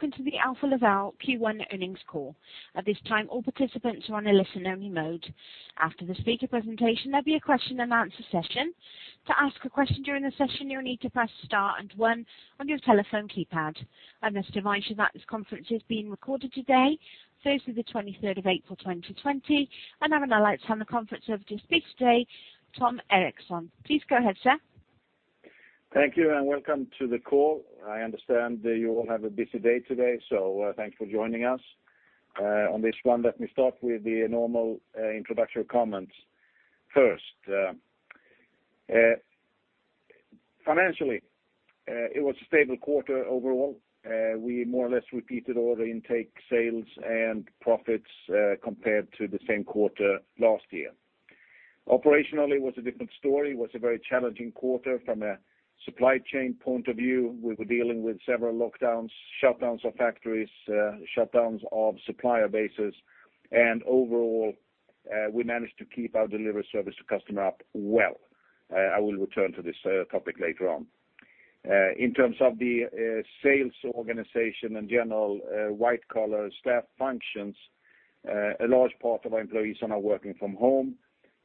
Welcome to the Alfa Laval Q1 earnings call. At this time, all participants are on a listen-only mode. After the speaker presentation, there will be a question and answer session. To ask a question during the session, you will need to press star and one on your telephone keypad. I must remind you that this conference is being recorded today, Thursday the 23rd of April, 2020, and I would now like to hand the conference over to the speaker today, Tom Erixon. Please go ahead, sir. Thank you, and welcome to the call. I understand that you all have a busy day today, so thanks for joining us on this one. Let me start with the normal introductory comments first. Financially, it was a stable quarter overall. We more or less repeated all the intake sales and profits compared to the same quarter last year. Operationally, it was a different story. It was a very challenging quarter from a supply chain point of view. We were dealing with several lockdowns, shutdowns of factories, shutdowns of supplier bases, and overall, we managed to keep our delivery service to customer up well. I will return to this topic later on. In terms of the sales organization and general white-collar staff functions, a large part of our employees are now working from home.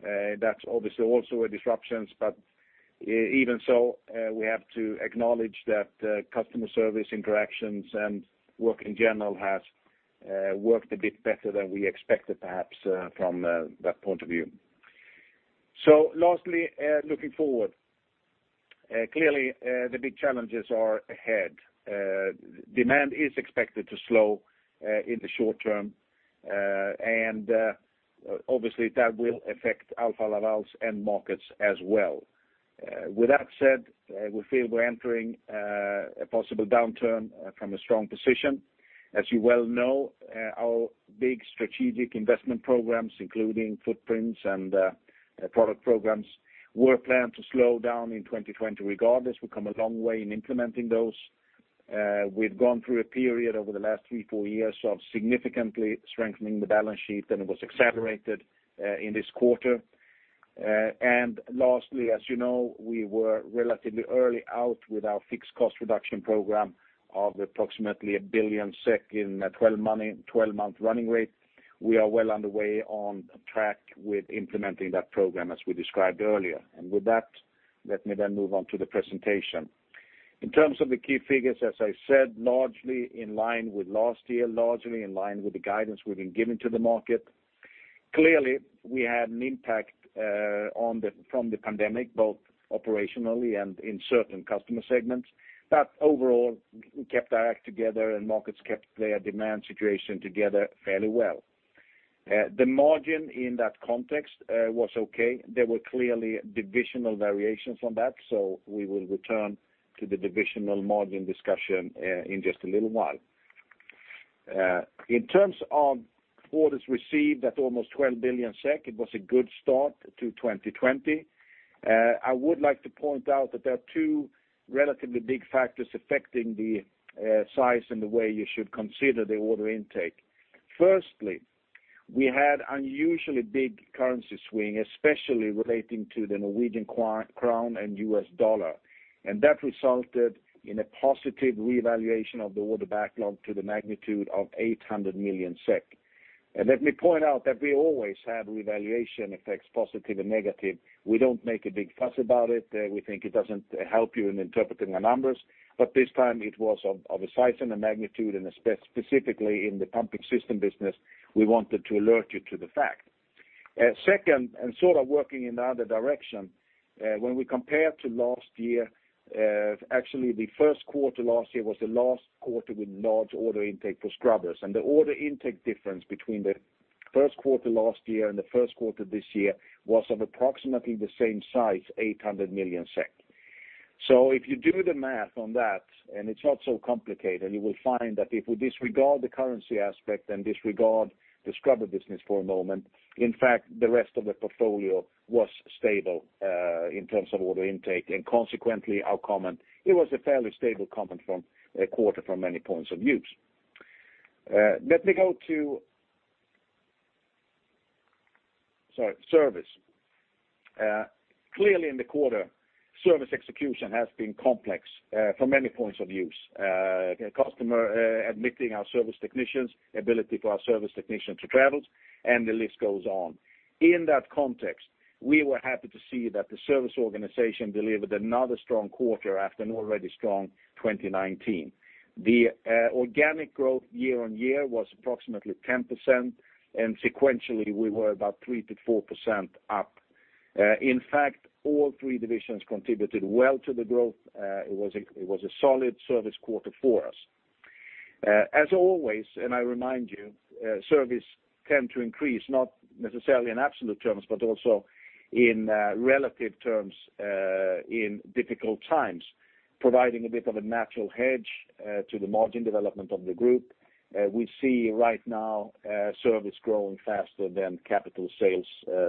That's obviously also a disruption. Even so, we have to acknowledge that customer service interactions and work in general has worked a bit better than we expected, perhaps from that point of view. Lastly, looking forward, clearly, the big challenges are ahead. Demand is expected to slow in the short term. Obviously, that will affect Alfa Laval's end markets as well. With that said, we feel we're entering a possible downturn from a strong position. As you well know, our big strategic investment programs, including footprints and product programs, were planned to slow down in 2020 regardless. We've come a long way in implementing those. We've gone through a period over the last three, four years of significantly strengthening the balance sheet. It was accelerated in this quarter. Lastly, as you know, we were relatively early out with our fixed cost reduction program of approximately 1 billion SEK in a 12-month running rate. We are well on the way on track with implementing that program as we described earlier. With that, let me then move on to the presentation. In terms of the key figures, as I said, largely in line with last year, largely in line with the guidance we've been giving to the market. Clearly, we had an impact from the pandemic, both operationally and in certain customer segments, but overall, we kept our act together and markets kept their demand situation together fairly well. The margin in that context was okay. There were clearly divisional variations on that, so we will return to the divisional margin discussion in just a little while. In terms of orders received at almost 12 billion SEK, it was a good start to 2020. I would like to point out that there are two relatively big factors affecting the size and the way you should consider the order intake. Firstly, we had unusually big currency swing, especially relating to the Norwegian krone and US dollar. That resulted in a positive revaluation of the order backlog to the magnitude of 800 million SEK. Let me point out that we always have revaluation effects, positive and negative. We don't make a big fuss about it. We think it doesn't help you in interpreting the numbers. This time it was of a size and a magnitude, and specifically in the pumping system business, we wanted to alert you to the fact. Second, sort of working in the other direction, when we compare to last year, actually the first quarter last year was the last quarter with large order intake for scrubbers. The order intake difference between the first quarter last year and the first quarter this year was of approximately the same size, 800 million SEK. If you do the math on that, and it's not so complicated, you will find that if we disregard the currency aspect and disregard the scrubber business for a moment, in fact, the rest of the portfolio was stable in terms of order intake, and consequently, our comment, it was a fairly stable quarter from many points of views. Let me go to service. Clearly in the quarter, service execution has been complex from many points of views. Customer admitting our service technicians, ability for our service technicians to travel, and the list goes on. In that context, we were happy to see that the service organization delivered another strong quarter after an already strong 2019. The organic growth year-on-year was approximately 10%, and sequentially, we were about 3%-4% up. In fact, all three divisions contributed well to the growth. It was a solid service quarter for us. As always, and I remind you, service tend to increase, not necessarily in absolute terms, but also in relative terms in difficult times, providing a bit of a natural hedge to the margin development of the group. We see right now service growing faster than capital sales,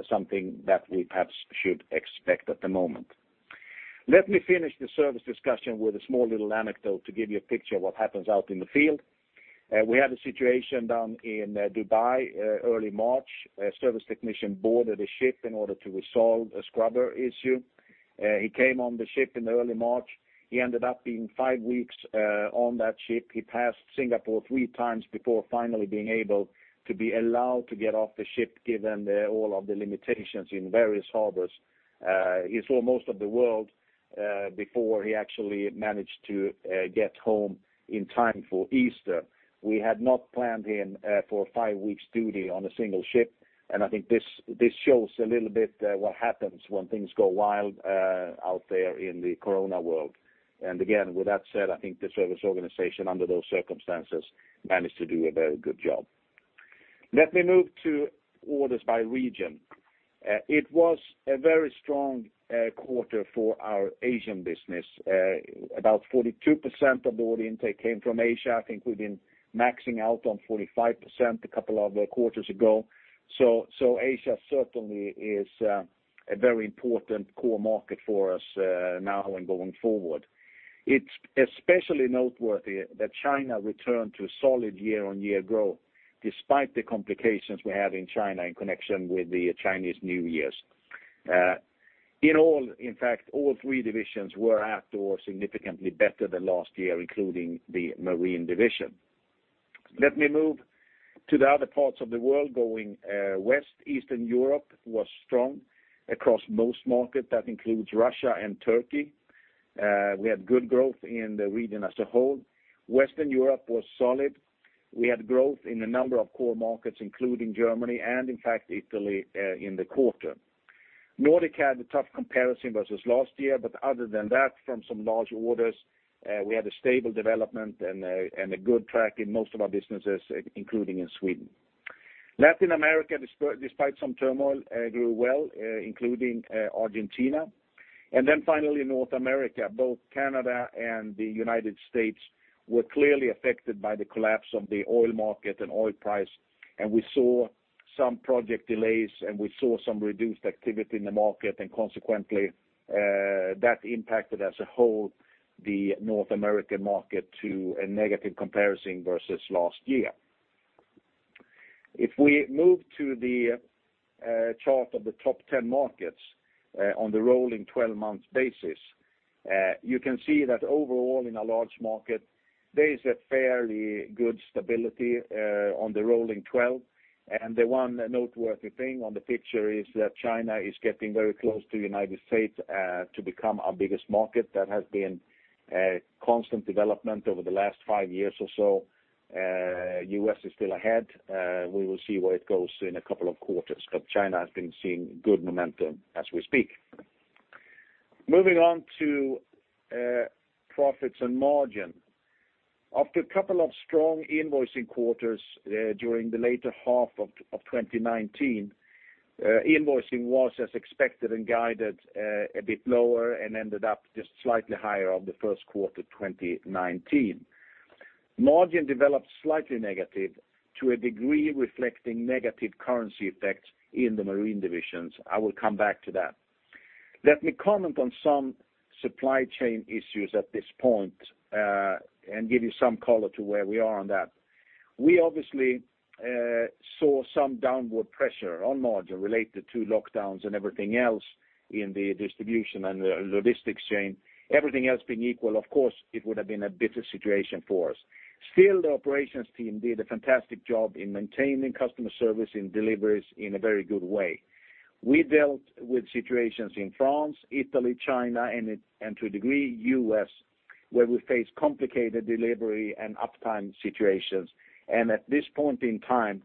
something that we perhaps should expect at the moment. Let me finish the service discussion with a small little anecdote to give you a picture of what happens out in the field. We had a situation down in Dubai early March. A service technician boarded a ship in order to resolve a scrubber issue. He came on the ship in early March. He ended up being five weeks on that ship. He passed Singapore three times before finally being able to be allowed to get off the ship, given all of the limitations in various harbors. He saw most of the world before he actually managed to get home in time for Easter. We had not planned him for a five-week duty on a single ship, and I think this shows a little bit what happens when things go wild out there in the Corona world. Again, with that said, I think the service organization, under those circumstances, managed to do a very good job. Let me move to orders by region. It was a very strong quarter for our Asian business. About 42% of the order intake came from Asia. I think we've been maxing out on 45% a couple of quarters ago. Asia certainly is a very important core market for us now and going forward. It's especially noteworthy that China returned to solid year-on-year growth, despite the complications we had in China in connection with the Chinese New Year. In fact, all three divisions were out or significantly better than last year, including the marine division. Let me move to the other parts of the world, going west. Eastern Europe was strong across most markets. That includes Russia and Turkey. We had good growth in the region as a whole. Western Europe was solid. We had growth in a number of core markets, including Germany and, in fact, Italy, in the quarter. Other than that, from some large orders, we had a stable development and a good track in most of our businesses, including in Sweden. Latin America, despite some turmoil, grew well, including Argentina. Then finally, North America, both Canada and the United States, were clearly affected by the collapse of the oil market and oil price, and we saw some project delays, and we saw some reduced activity in the market, and consequently, that impacted as a whole the North American market to a negative comparison versus last year. If we move to the chart of the top 10 markets on the rolling 12-month basis, you can see that overall in a large market, there is a fairly good stability on the rolling 12. The one noteworthy thing on the picture is that China is getting very close to the United States to become our biggest market. That has been a constant development over the last five years or so. U.S. is still ahead. We will see where it goes in a couple of quarters, but China has been seeing good momentum as we speak. Moving on to profits and margin. After a couple of strong invoicing quarters during the later half of 2019, invoicing was as expected and guided a bit lower and ended up just slightly higher on the first quarter 2019. Margin developed slightly negative to a degree reflecting negative currency effects in the marine divisions. I will come back to that. Let me comment on some supply chain issues at this point and give you some color to where we are on that. We obviously saw some downward pressure on margin related to lockdowns and everything else in the distribution and logistics chain. Everything else being equal, of course, it would have been a better situation for us. Still, the operations team did a fantastic job in maintaining customer service and deliveries in a very good way. We dealt with situations in France, Italy, China, and to a degree, U.S., where we face complicated delivery and uptime situations. At this point in time,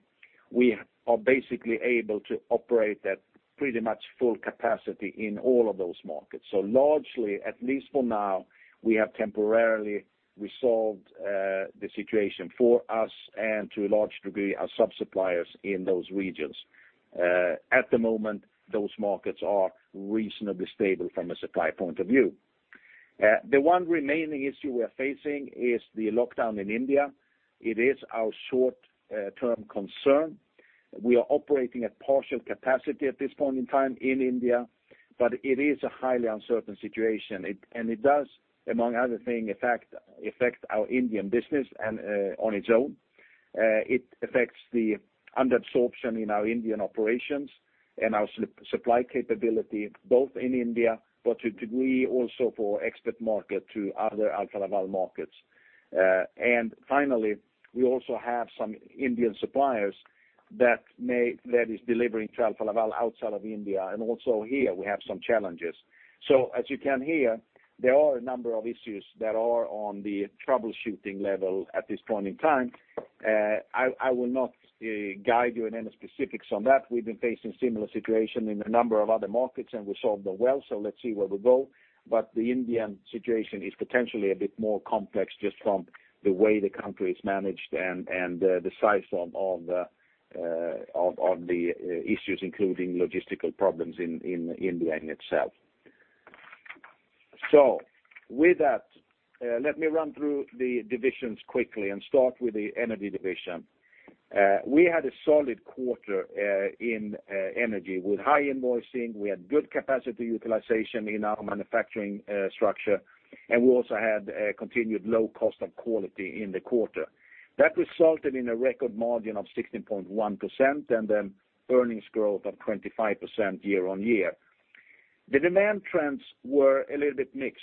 we are basically able to operate at pretty much full capacity in all of those markets. Largely, at least for now, we have temporarily resolved the situation for us and to a large degree, our subsuppliers in those regions. At the moment, those markets are reasonably stable from a supply point of view. The one remaining issue we are facing is the lockdown in India. It is our short-term concern. We are operating at partial capacity at this point in time in India, but it is a highly uncertain situation. It does, among other things, affect our Indian business on its own. It affects the under absorption in our Indian operations and our supply capability, both in India, but to a degree also for export market to other Alfa Laval markets. Finally, we also have some Indian suppliers that is delivering to Alfa Laval outside of India, and also here we have some challenges. As you can hear, there are a number of issues that are on the troubleshooting level at this point in time. I will not guide you in any specifics on that. We’ve been facing similar situation in a number of other markets, and we solved them well, so let’s see where we go. The Indian situation is potentially a bit more complex just from the way the country is managed and the size of the issues, including logistical problems in India in itself. With that, let me run through the divisions quickly and start with the energy division. We had a solid quarter in energy with high invoicing. We had good capacity utilization in our manufacturing structure, and we also had a continued low cost of quality in the quarter. That resulted in a record margin of 16.1% and an earnings growth of 25% year on year. The demand trends were a little bit mixed.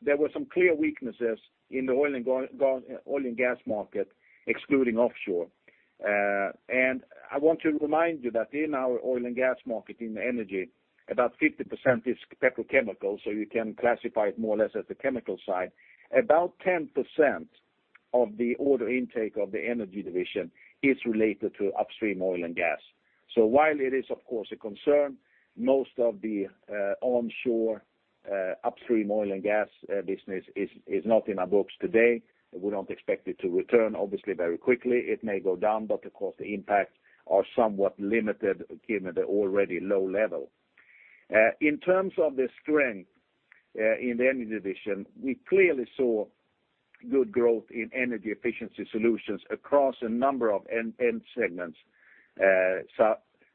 There were some clear weaknesses in the oil and gas market, excluding offshore. I want to remind you that in our oil and gas market, in energy, about 50% is petrochemical, so you can classify it more or less as the chemical side. About 10% of the order intake of the energy division is related to upstream oil and gas. While it is of course a concern, most of the onshore upstream oil and gas business is not in our books today. We don't expect it to return, obviously, very quickly. It may go down, but of course, the impact are somewhat limited given the already low level. In terms of the strength in the Energy division, we clearly saw good growth in energy efficiency solutions across a number of end segments,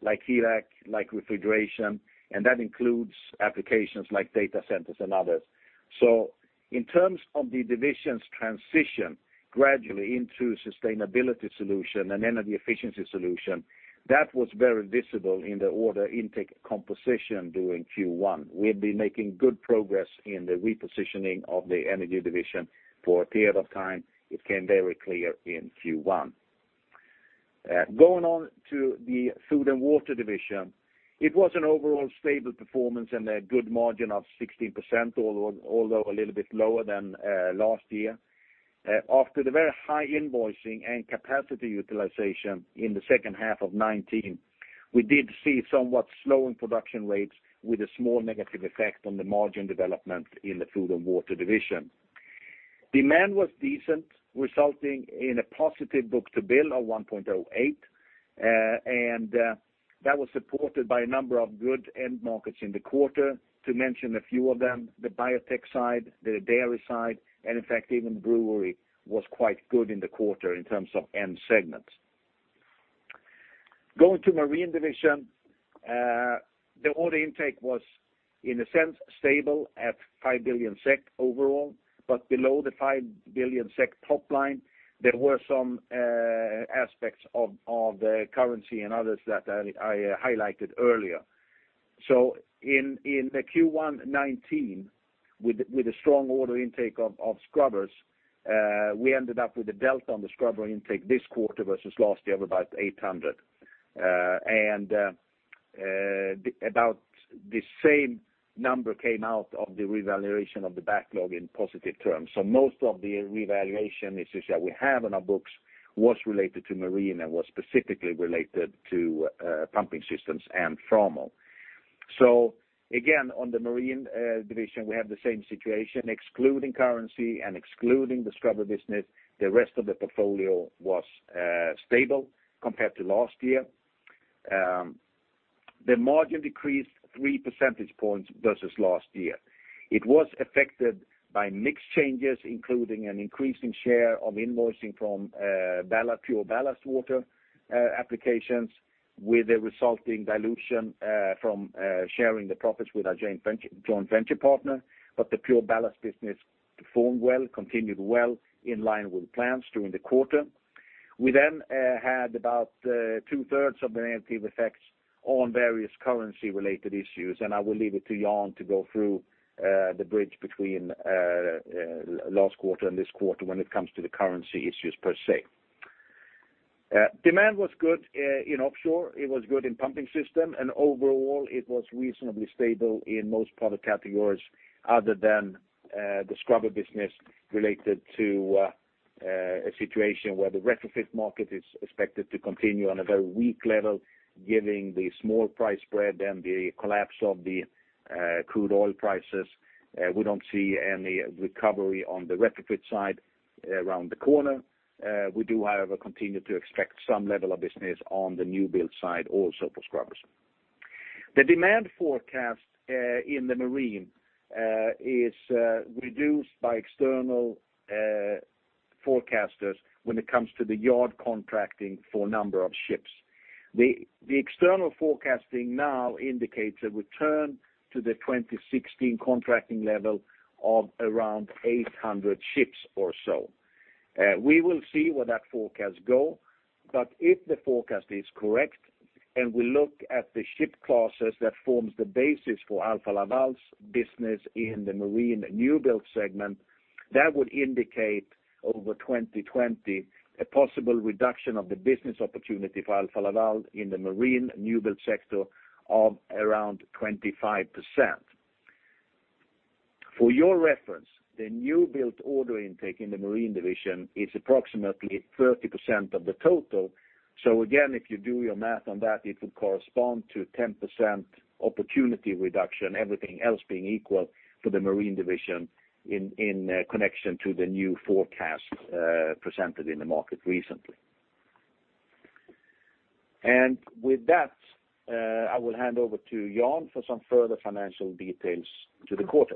like HVAC, like refrigeration, and that includes applications like data centers and others. In terms of the division's transition gradually into sustainability solution and energy efficiency solution, that was very visible in the order intake composition during Q1. We've been making good progress in the repositioning of the Energy division for a period of time. It came very clear in Q1. Going on to the Food and Water division, it was an overall stable performance and a good margin of 16%, although a little bit lower than last year. After the very high invoicing and capacity utilization in the second half of 2019, we did see somewhat slowing production rates with a small negative effect on the margin development in the Food and Water division. Demand was decent, resulting in a positive book-to-bill of 1.08. That was supported by a number of good end markets in the quarter. To mention a few of them, the biotech side, the dairy side, in fact, even brewery was quite good in the quarter in terms of end segments. Going to marine division, the order intake was, in a sense, stable at 5 billion SEK overall. Below the 5 billion SEK top line, there were some aspects of the currency and others that I highlighted earlier. In the Q1 2019, with the strong order intake of scrubbers, we ended up with a delta on the scrubber intake this quarter versus last year of about 800. About the same number came out of the revaluation of the backlog in positive terms. Most of the revaluation issues that we have on our books was related to marine and was specifically related to pumping systems and Framo. Again, on the marine division, we have the same situation. Excluding currency and excluding the scrubber business, the rest of the portfolio was stable compared to last year. The margin decreased 3 percentage points versus last year. It was affected by mix changes, including an increasing share of invoicing from ballast water applications with a resulting dilution from sharing the profits with our joint venture partner. The ballast water business performed well, continued well, in line with plans during the quarter. We then had about two-thirds of the negative effects on various currency-related issues, and I will leave it to Jan to go through the bridge between last quarter and this quarter when it comes to the currency issues per se. Demand was good in offshore, it was good in pumping system, overall, it was reasonably stable in most product categories other than the scrubber business related to a situation where the retrofit market is expected to continue on a very weak level, giving the small price spread and the collapse of the crude oil prices. We don't see any recovery on the retrofit side around the corner. We do, however, continue to expect some level of business on the new build side also for scrubbers. The demand forecast in the marine is reduced by external forecasters when it comes to the yard contracting for number of ships. The external forecasting now indicates a return to the 2016 contracting level of around 800 ships or so. We will see where that forecast go. If the forecast is correct, and we look at the ship classes that forms the basis for Alfa Laval's business in the marine new build segment, that would indicate, over 2020, a possible reduction of the business opportunity for Alfa Laval in the marine new build sector of around 25%. For your reference, the new build order intake in the marine division is approximately 30% of the total. Again, if you do your math on that, it would correspond to 10% opportunity reduction, everything else being equal, for the marine division in connection to the new forecast presented in the market recently. With that, I will hand over to Jan for some further financial details to the quarter.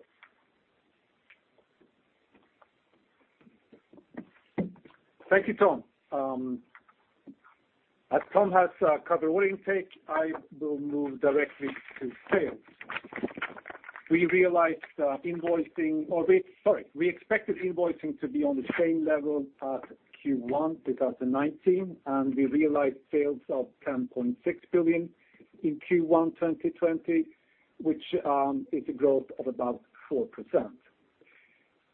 Thank you, Tom. As Tom has covered order intake, I will move directly to sales. We expected invoicing to be on the same level as Q1 2019, and we realized sales of 10.6 billion in Q1 2020, which is a growth of about 4%.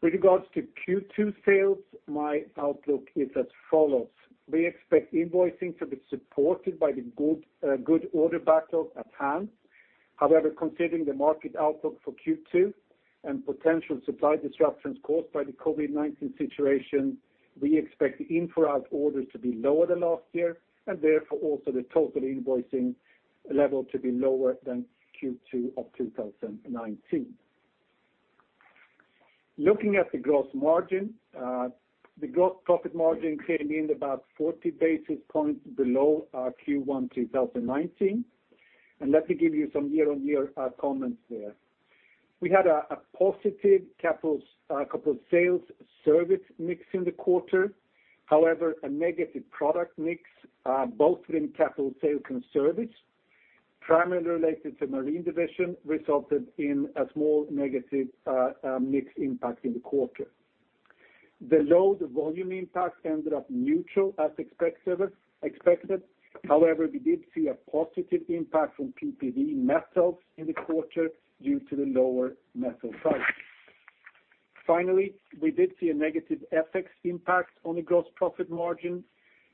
With regards to Q2 sales, my outlook is as follows. We expect invoicing to be supported by the good order backlog at hand. However, considering the market outlook for Q2 and potential supply disruptions caused by the COVID-19 situation, we expect the in-for-out orders to be lower than last year, and therefore also the total invoicing level to be lower than Q2 2019. Looking at the gross margin, the gross profit margin came in about 40 basis points below our Q1 2019. Let me give you some year-on-year comments there. We had a positive capital sales service mix in the quarter. A negative product mix, both within capital sale and service, primarily related to marine division, resulted in a small negative mix impact in the quarter. The load volume impact ended up neutral as expected. We did see a positive impact from PPV metals in the quarter due to the lower metal prices. We did see a negative FX impact on the gross profit margin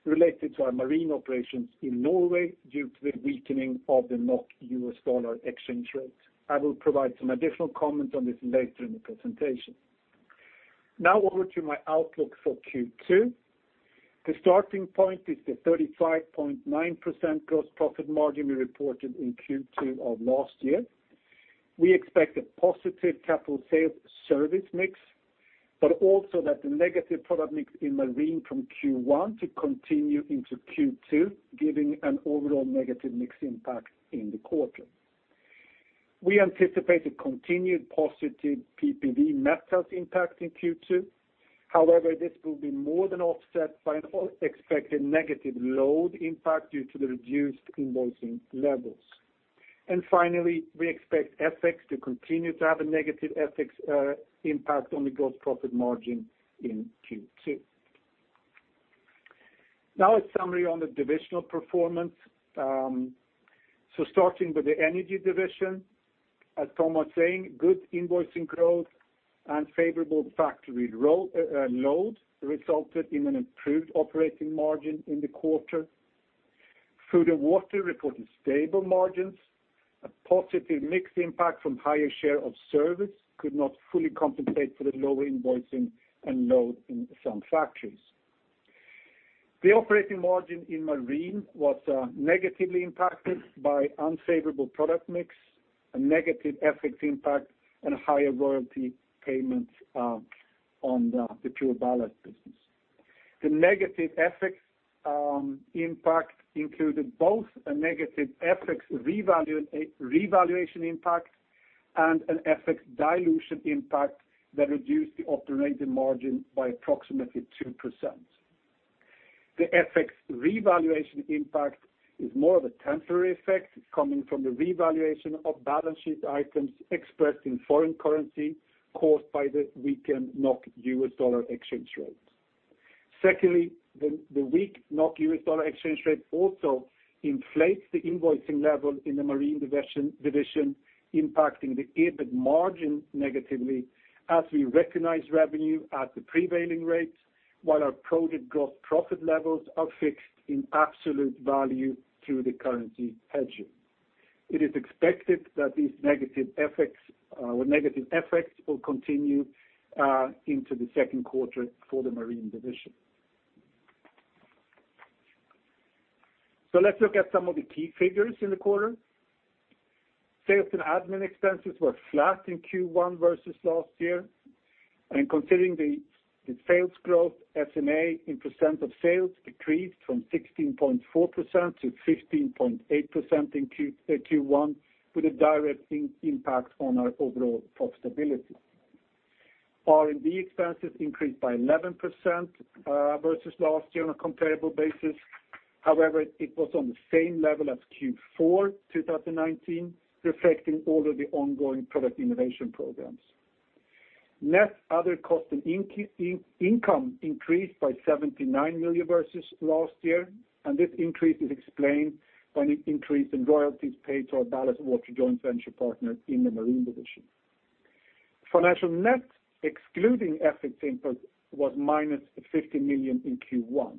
related to our marine operations in Norway due to the weakening of the NOK/US dollar exchange rate. I will provide some additional comments on this later in the presentation. Over to my outlook for Q2. The starting point is the 35.9% gross profit margin we reported in Q2 of last year. We expect a positive capital sales service mix, but also that the negative product mix in Marine from Q1 to continue into Q2, giving an overall negative mix impact in the quarter. We anticipate a continued positive PPV metals impact in Q2. However, this will be more than offset by an expected negative load impact due to the reduced invoicing levels. Finally, we expect FX to continue to have a negative FX impact on the gross profit margin in Q2. Now a summary on the divisional performance. Starting with the Energy Division, as Tom was saying, good invoicing growth and favorable factory load resulted in an improved operating margin in the quarter. Food and Water reported stable margins. A positive mix impact from higher share of service could not fully compensate for the lower invoicing and load in some factories. The operating margin in Marine was negatively impacted by unfavorable product mix, a negative FX impact, and higher royalty payments on the PureBallast business. The negative FX impact included both a negative FX revaluation impact and an FX dilution impact that reduced the operating margin by approximately 2%. The FX revaluation impact is more of a temporary effect coming from the revaluation of balance sheet items expressed in foreign currency caused by the weakened NOK/USD exchange rate. Secondly, the weak NOK/USD exchange rate also inflates the invoicing level in the Marine division, impacting the EBIT margin negatively as we recognize revenue at the prevailing rates while our product gross profit levels are fixed in absolute value through the currency hedging. It is expected that these negative effects will continue into the second quarter for the Marine division. Let's look at some of the key figures in the quarter. Sales and admin expenses were flat in Q1 versus last year. Considering the sales growth, S&A in percent of sales decreased from 16.4% to 15.8% in Q1, with a direct impact on our overall profitability. R&D expenses increased by 11% versus last year on a comparable basis. However, it was on the same level as Q4 2019, reflecting all of the ongoing product innovation programs. Net other cost and income increased by 79 million versus last year, and this increase is explained by an increase in royalties paid to our Ballast Water joint venture partners in the Marine division. Financial net, excluding FX input, was -50 million in Q1,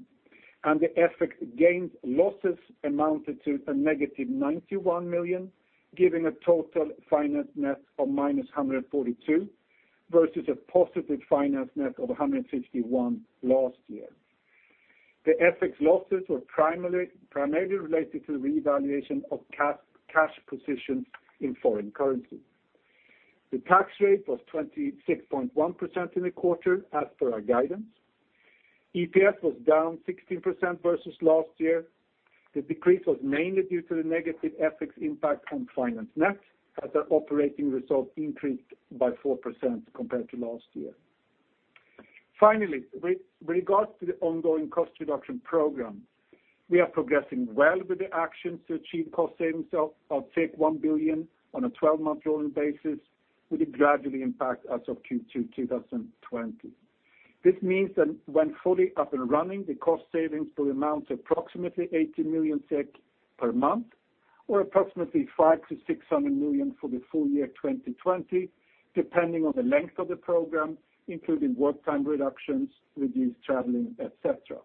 and the FX gains losses amounted to -91 million, giving a total finance net of -142 million versus a positive finance net of 161 million last year. The FX losses were primarily related to the revaluation of cash positions in foreign currency. The tax rate was 26.1% in the quarter, as per our guidance. EPS was down 16% versus last year. The decrease was mainly due to the negative FX impact on finance net, as our operating result increased by 4% compared to last year. With regards to the ongoing cost reduction program, we are progressing well with the actions to achieve cost savings of 1 billion on a 12-month rolling basis, with a gradual impact as of Q2 2020. This means that when fully up and running, the cost savings will amount to approximately 80 million SEK per month, or approximately 500 million to 600 million for the full year 2020, depending on the length of the program, including work time reductions, reduced traveling, et cetera.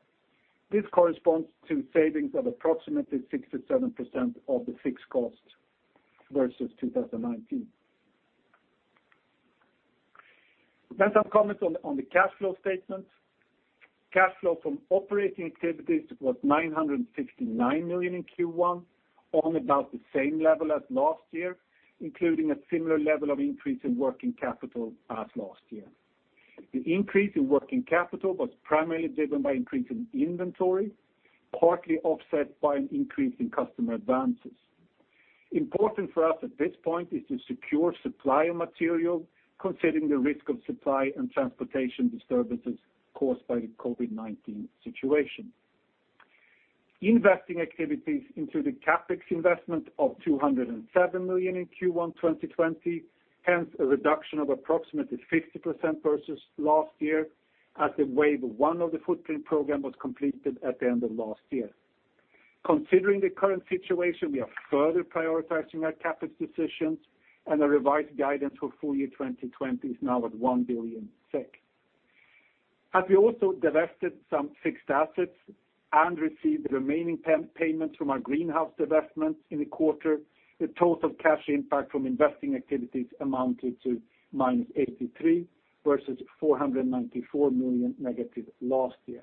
This corresponds to savings of approximately 67% of the fixed cost versus 2019. Some comments on the cash flow statement. Cash flow from operating activities was 969 million in Q1, on about the same level as last year, including a similar level of increase in working capital as last year. The increase in working capital was primarily driven by increase in inventory, partly offset by an increase in customer advances. Important for us at this point is to secure supplier material considering the risk of supply and transportation disturbances caused by the COVID-19 situation. Investing activities into the CapEx investment of 207 million in Q1 2020, hence a reduction of approximately 50% versus last year, as the wave 1 of the Footprint Program was completed at the end of last year. Considering the current situation, we are further prioritizing our CapEx decisions and a revised guidance for full year 2020 is now at 1 billion SEK. As we also divested some fixed assets and received the remaining payment from our greenhouse divestment in the quarter, the total cash impact from investing activities amounted to -83 versus 494 million negative last year.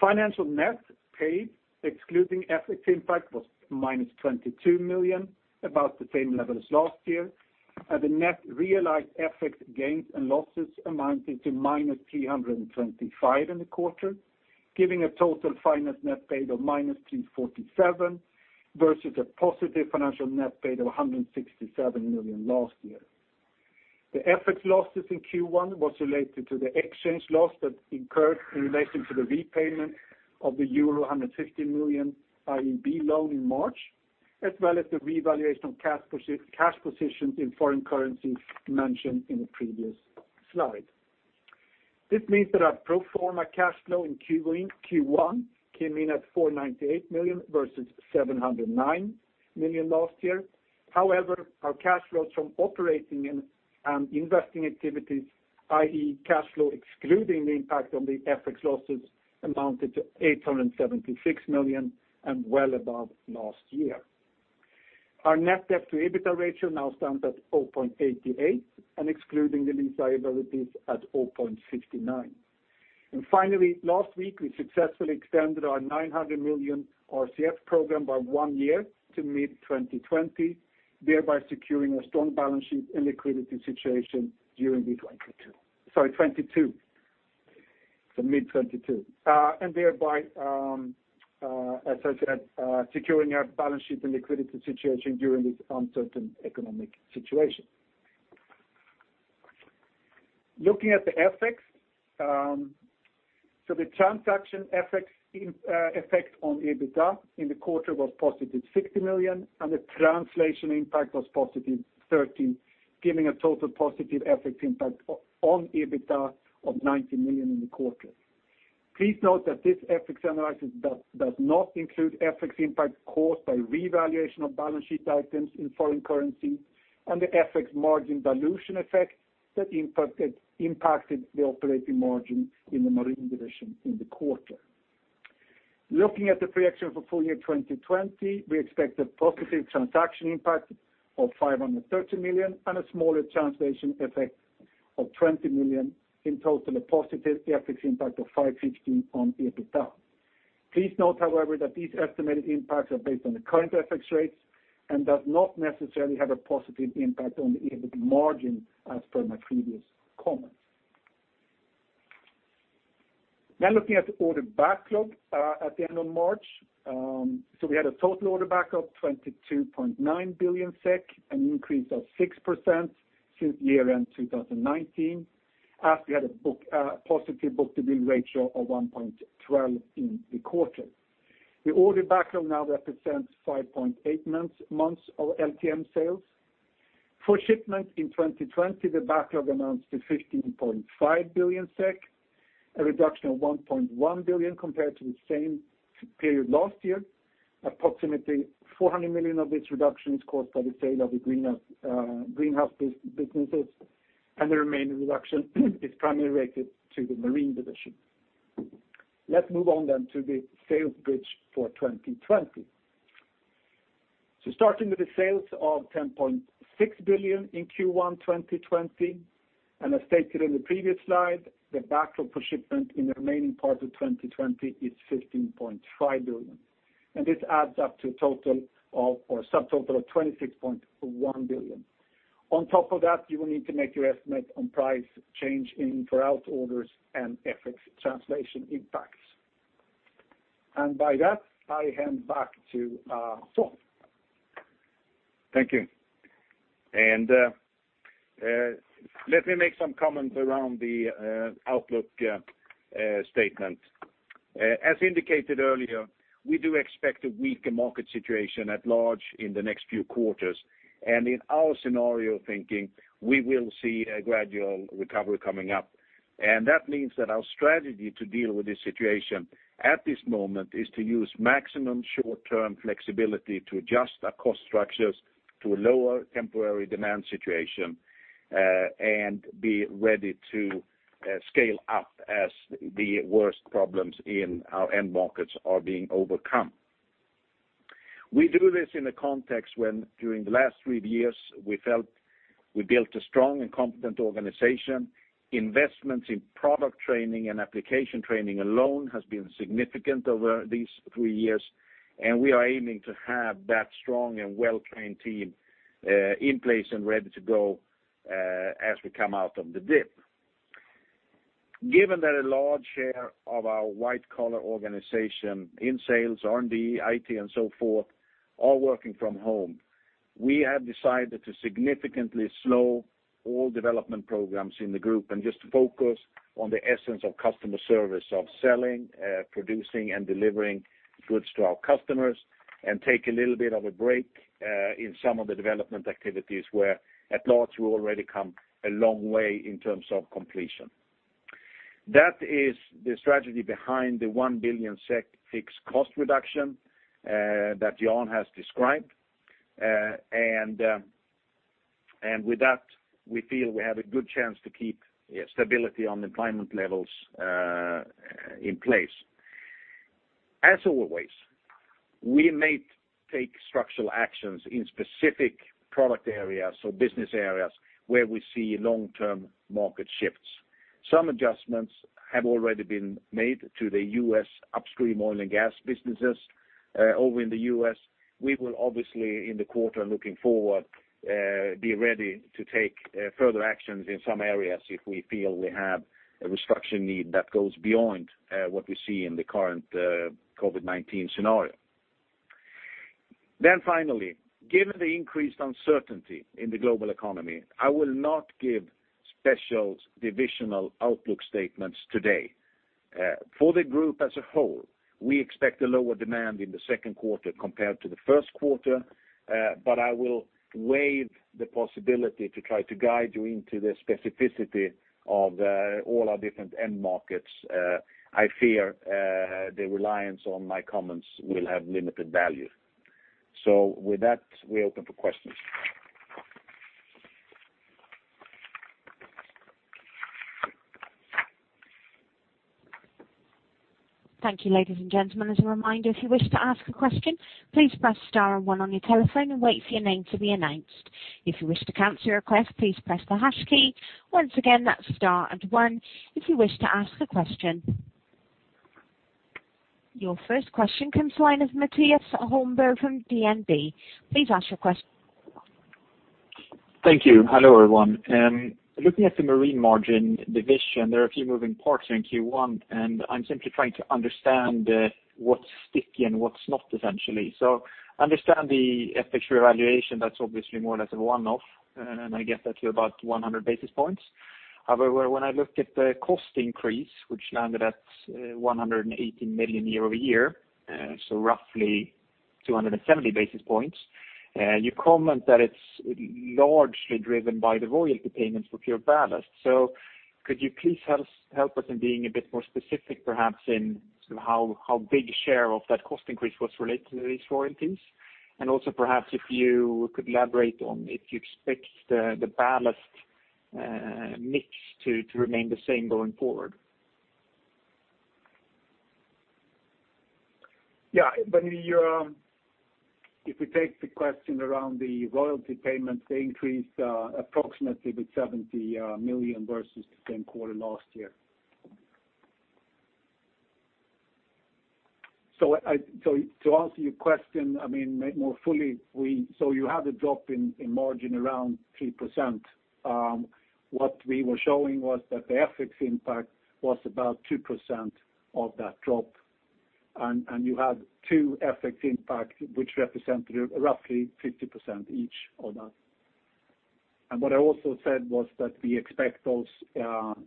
Financial net paid, excluding FX impact, was -22 million, about the same level as last year. The net realized FX gains and losses amounted to -325 in the quarter, giving a total finance net paid of -347 versus a positive financial net paid of 167 million last year. The FX losses in Q1 was related to the exchange loss that incurred in relation to the repayment of the euro 150 million EIB loan in March, as well as the revaluation of cash positions in foreign currency mentioned in the previous slide. This means that our pro forma cash flow in Q1 came in at 498 million versus 709 million last year. However, our cash flows from operating and investing activities, i.e., cash flow excluding the impact on the FX losses, amounted to 876 million and well above last year. Our net debt to EBITDA ratio now stands at 0.88, excluding the lease liabilities at 0.69. Finally, last week, we successfully extended our 900 million RCF program by one year to mid-2022, thereby securing a strong balance sheet and liquidity situation. Thereby, as I said, securing our balance sheet and liquidity situation during this uncertain economic situation. Looking at the FX, the transaction FX effect on EBITDA in the quarter was +60 million, and the translation impact was +30 million, giving a total positive FX impact on EBITDA of 90 million in the quarter. Please note that this FX analysis does not include FX impact caused by revaluation of balance sheet items in foreign currency and the FX margin dilution effect that impacted the operating margin in the Marine division in the quarter. Looking at the projection for full year 2020, we expect a positive transaction impact of 530 million and a smaller translation effect of 20 million, in total a positive FX impact of 550 million on EBITDA. Please note, however, that these estimated impacts are based on the current FX rates and does not necessarily have a positive impact on the EBITDA margin as per my previous comments. Now looking at the order backlog at the end of March. We had a total order backlog of 22.9 billion SEK, an increase of 6% since year-end 2019, as we had a positive book-to-bill ratio of 1.12 in the quarter. The order backlog now represents 5.8 months of LTM sales. For shipment in 2020, the backlog amounts to 15.5 billion SEK, a reduction of 1.1 billion compared to the same period last year. Approximately 400 million of this reduction is caused by the sale of the greenhouse businesses, and the remaining reduction is primarily related to the Marine division. Let's move on to the sales bridge for 2020. Starting with the sales of 10.6 billion in Q1 2020, and as stated in the previous slide, the backlog for shipment in the remaining part of 2020 is 15.5 billion. This adds up to a subtotal of 26.1 billion. On top of that, you will need to make your estimate on price change in for out orders and FX translation impacts. By that, I hand back to Tom. Thank you. Let me make some comments around the outlook statement. As indicated earlier, we do expect a weaker market situation at large in the next few quarters. In our scenario thinking, we will see a gradual recovery coming up. That means that our strategy to deal with this situation at this moment is to use maximum short-term flexibility to adjust our cost structures to a lower temporary demand situation, and be ready to scale up as the worst problems in our end markets are being overcome. We do this in a context when, during the last three years, we felt we built a strong and competent organization. Investments in product training and application training alone has been significant over these three years, and we are aiming to have that strong and well-trained team in place and ready to go as we come out of the dip. Given that a large share of our white-collar organization in sales, R&D, IT, and so forth, are working from home, we have decided to significantly slow all development programs in the group and just focus on the essence of customer service, of selling, producing, and delivering goods to our customers, and take a little bit of a break in some of the development activities where at large we've already come a long way in terms of completion. That is the strategy behind the 1 billion SEK fixed cost reduction that Jan has described. With that, we feel we have a good chance to keep stability on employment levels in place. As always, we may take structural actions in specific product areas or business areas where we see long-term market shifts. Some adjustments have already been made to the U.S. upstream oil and gas businesses over in the U.S. We will obviously, in the quarter looking forward, be ready to take further actions in some areas if we feel we have a restructuring need that goes beyond what we see in the current COVID-19 scenario. Finally, given the increased uncertainty in the global economy, I will not give special divisional outlook statements today. For the group as a whole, we expect a lower demand in the second quarter compared to the first quarter, but I will waive the possibility to try to guide you into the specificity of all our different end markets. I fear the reliance on my comments will have limited value. With that, we're open for questions. Thank you, ladies and gentlemen. As a reminder, if you wish to ask a question, please press star and one on your telephone and wait for your name to be announced. If you wish to cancel your request, please press the hash key. Once again, that is star and one if you wish to ask a question. Your first question comes the line of Mattias Holmberg from DNB. Please ask your question. Thank you. Hello, everyone. Looking at the marine margin division, there are a few moving parts here in Q1. I'm simply trying to understand what's sticky and what's not, essentially. I understand the FX revaluation, that's obviously more or less a one-off, and I get that to about 100 basis points. However, when I look at the cost increase, which landed at SEK 118 million year-over-year, roughly 270 basis points, you comment that it's largely driven by the royalty payments for PureBallast. Could you please help us in being a bit more specific perhaps in how big a share of that cost increase was related to these royalties? Also perhaps if you could elaborate on if you expect the ballast mix to remain the same going forward. Yeah. If we take the question around the royalty payments, they increased approximately with 70 million versus the same quarter last year. To answer your question more fully, you had a drop in margin around 3%. What we were showing was that the FX impact was about 2% of that drop, and you had two FX impact, which represented roughly 50% each of that. What I also said was that we expect those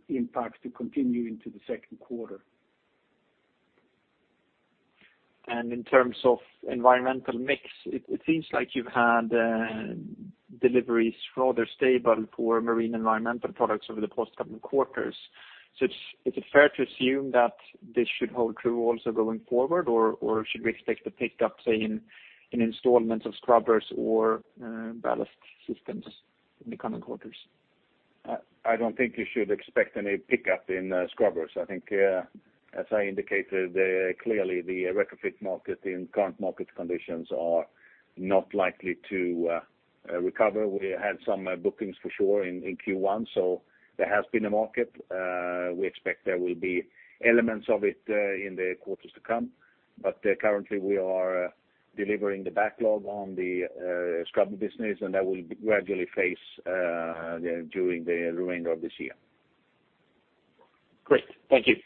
impacts to continue into the second quarter. In terms of environmental mix, it seems like you've had deliveries rather stable for marine environmental products over the past couple quarters. Is it fair to assume that this should hold true also going forward, or should we expect a pickup, say, in installments of scrubbers or ballast systems in the coming quarters? I don't think you should expect any pickup in scrubbers. I think, as I indicated, clearly the retrofit market in current market conditions are not likely to recover. We had some bookings for sure in Q1, so there has been a market. We expect there will be elements of it in the quarters to come. Currently we are delivering the backlog on the scrubber business, and that will gradually phase during the remainder of this year. Great. Thank you.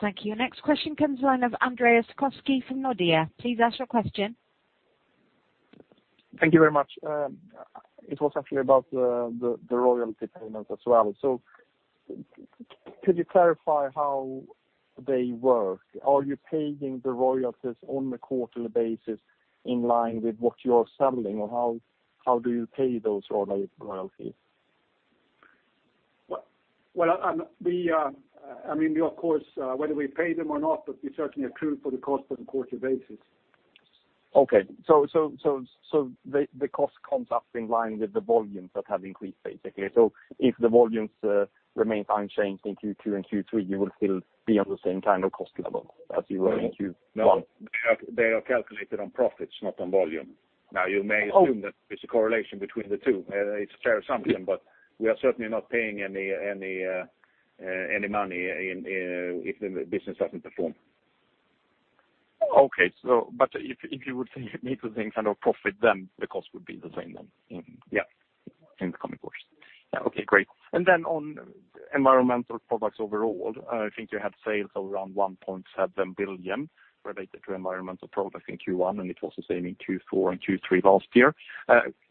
Thank you. Next question comes the line of Andreas Koski from Nordea. Please ask your question. Thank you very much. It was actually about the royalty payment as well. Could you clarify how they work? Are you paying the royalties on a quarterly basis in line with what you're selling, or how do you pay those royalties? Well, of course, whether we pay them or not, but we certainly accrue for the cost on a quarterly basis. Okay. The cost comes up in line with the volumes that have increased, basically. If the volumes remain unchanged in Q2 and Q3, you will still be on the same kind of cost level as you were in Q1. They are calculated on profits, not on volume. You may assume that there's a correlation between the two. It's a fair assumption, but we are certainly not paying any money if the business doesn't perform. Okay. If you would need to think profit, then the cost would be the same then? Yeah. In the coming quarters. Yeah. Okay, great. On environmental products overall, I think you had sales of around 1.7 billion related to environmental products in Q1, and it was the same in Q4 and Q3 last year.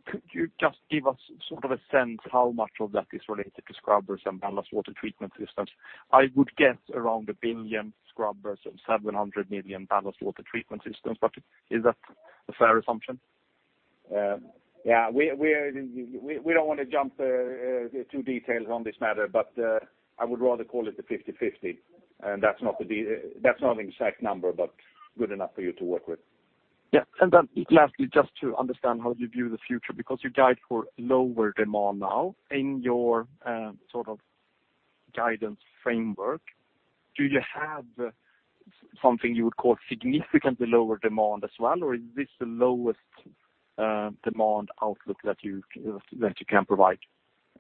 Could you just give us a sense how much of that is related to scrubbers and ballast water treatment systems? I would guess around 1 billion scrubbers and 700 million ballast water treatment systems, but is that a fair assumption? We don't want to jump too detailed on this matter, but I would rather call it the 50/50. That's not an exact number, but good enough for you to work with. Yeah. Lastly, just to understand how you view the future, because you guide for lower demand now in your guidance framework. Do you have something you would call significantly lower demand as well, or is this the lowest demand outlook that you can provide?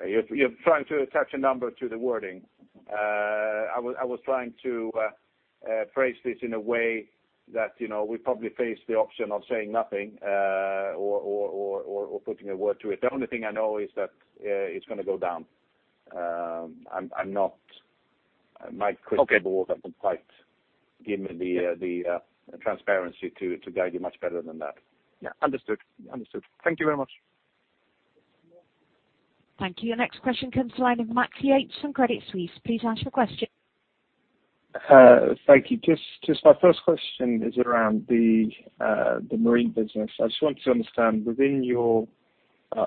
You're trying to attach a number to the wording. I was trying to phrase this in a way that we probably face the option of saying nothing or putting a word to it. The only thing I know is that it's going to go down. My crystal ball hasn't quite given me the transparency to guide you much better than that. Yeah. Understood. Thank you very much. Thank you. Your next question comes to the line of Max Yates from Credit Suisse. Please ask your question. Thank you. Just my first question is around the marine business. I just want to understand, within your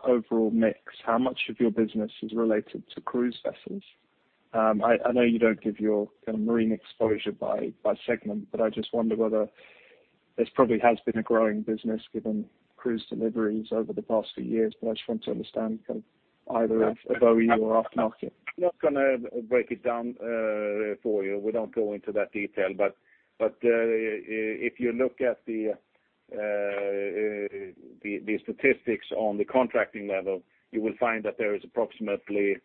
overall mix, how much of your business is related to cruise vessels? I know you don't give your marine exposure by segment, but I just wonder whether this probably has been a growing business given cruise deliveries over the past few years. I just want to understand either of OE or aftermarket. I'm not going to break it down for you. We don't go into that detail. If you look at the statistics on the contracting level, you will find that there is approximately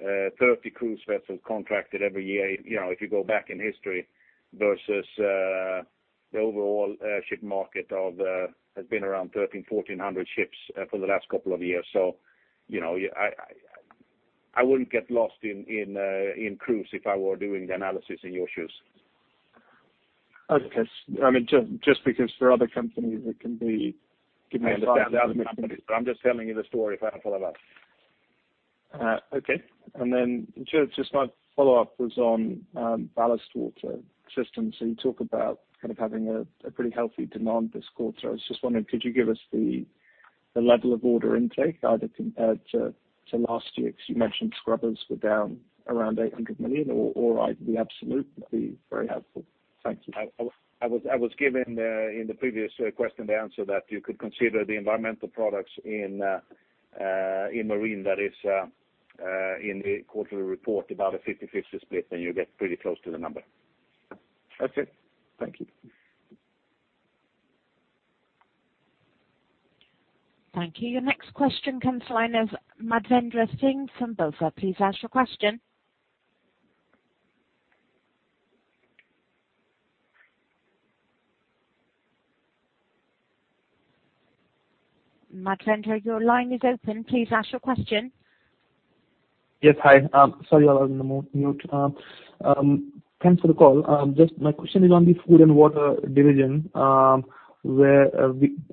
30 cruise vessels contracted every year, if you go back in history, versus the overall ship market has been around 1,300, 1,400 ships for the last couple of years. I wouldn't get lost in cruise if I were doing the analysis in your shoes. Okay. Just because for other companies, it can be I understand the other companies, but I'm just telling you the story for Alfa Laval. Okay. just my follow-up was on ballast water systems. You talk about having a pretty healthy demand this quarter. I was just wondering, could you give us the level of order intake, either compared to last year, because you mentioned scrubbers were down around 800 million, or the absolute would be very helpful. Thank you. I was given, in the previous question, the answer that you could consider the environmental products in marine that is in the quarterly report, about a 50/50 split, then you get pretty close to the number. That's it. Thank you. Thank you. Your next question comes to the line of Madhvendra Singh from BofA. Please ask your question. Madhvendra, your line is open. Please ask your question. Yes. Hi. Sorry about that. I was on mute. Thanks for the call. My question is on the food and water division, where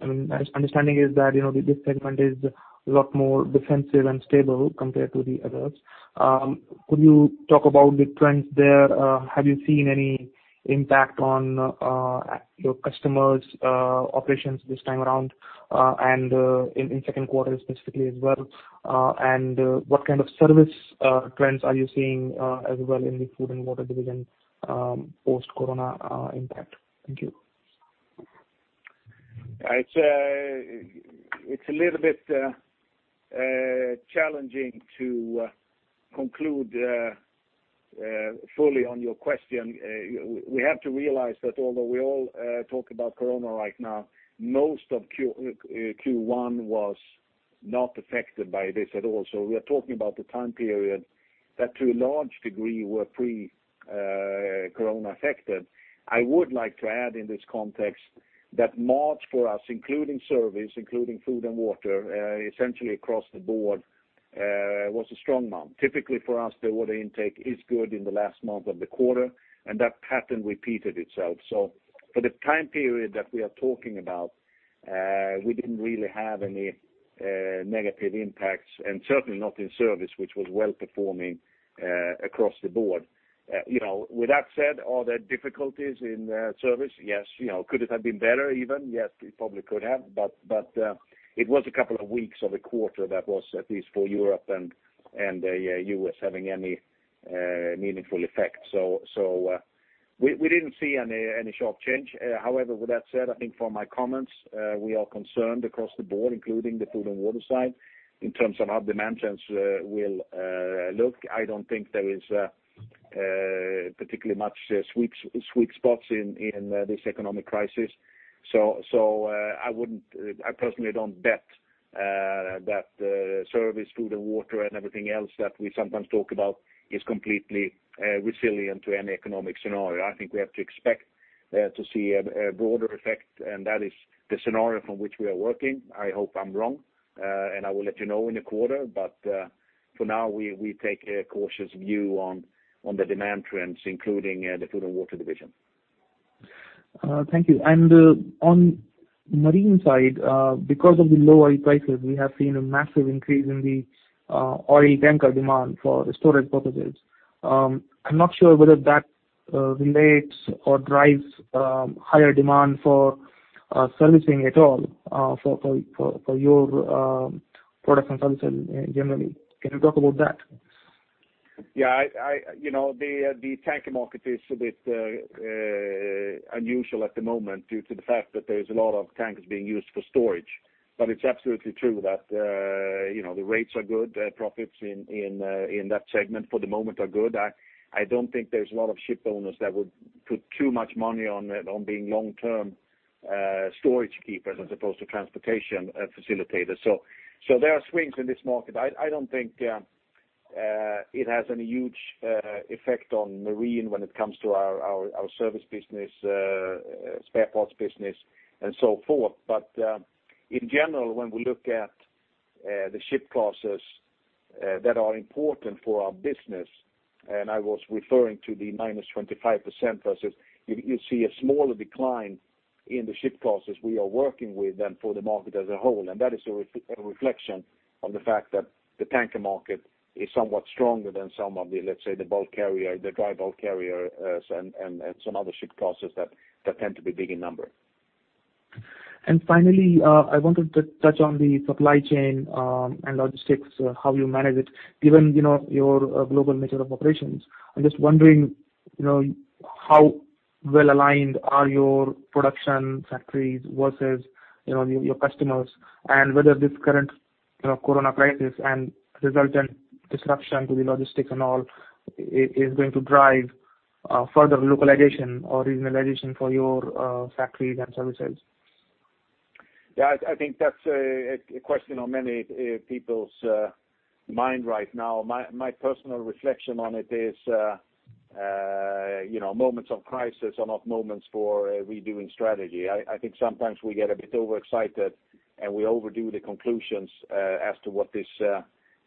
my understanding is that this segment is a lot more defensive and stable compared to the others. Could you talk about the trends there? Have you seen any impact on your customers' operations this time around, and in the second quarter specifically as well? What kind of service trends are you seeing as well in the food and water division, post-Corona impact? Thank you. It's a little bit challenging to conclude fully on your question. We have to realize that although we all talk about Corona right now, most of Q1 was not affected by this at all. we are talking about the time period that to a large degree were pre-Corona affected. I would like to add in this context that March for us, including service, including food and water, essentially across the board was a strong month. Typically, for us, the order intake is good in the last month of the quarter, and that pattern repeated itself. for the time period that we are talking about, we didn't really have any negative impacts, and certainly not in service, which was well-performing across the board. With that said, are there difficulties in service? Yes. Could it have been better even? Yes, it probably could have, but it was a couple of weeks of a quarter that was, at least for Europe and the U.S., having any meaningful effect. We didn't see any sharp change. However, with that said, I think from my comments, we are concerned across the board, including the food and water side, in terms of how demand trends will look. I don't think there is particularly much sweet spots in this economic crisis. I personally don't bet that service, food and water, and everything else that we sometimes talk about is completely resilient to any economic scenario. I think we have to expect to see a broader effect, and that is the scenario from which we are working. I hope I'm wrong, and I will let you know in the quarter. For now, we take a cautious view on the demand trends, including the food and water division. Thank you. On marine side, because of the low oil prices, we have seen a massive increase in the oil tanker demand for the storage purposes. I'm not sure whether that relates or drives higher demand for servicing at all for your products and services generally. Can you talk about that? Yeah. The tanker market is a bit unusual at the moment due to the fact that there's a lot of tankers being used for storage. It's absolutely true that the rates are good. Profits in that segment for the moment are good. I don't think there's a lot of ship owners that would put too much money on being long-term storage keepers as opposed to transportation facilitators. There are swings in this market. I don't think it has any huge effect on marine when it comes to our service business, spare parts business, and so forth. In general, when we look at the ship classes that are important for our business, and I was referring to the -25% versus, you see a smaller decline in the ship classes we are working with than for the market as a whole. That is a reflection on the fact that the tanker market is somewhat stronger than some of the, let's say, the dry bulk carriers and some other ship classes that tend to be big in number. finally, I wanted to touch on the supply chain and logistics, how you manage it, given your global nature of operations. I'm just wondering, how well-aligned are your production factories versus your customers, and whether this current Corona crisis and resultant disruption to the logistics and all, is going to drive further localization or regionalization for your factories and services? Yeah, I think that's a question on many people's mind right now. My personal reflection on it is, moments of crisis are not moments for redoing strategy. I think sometimes we get a bit overexcited, and we overdo the conclusions as to what this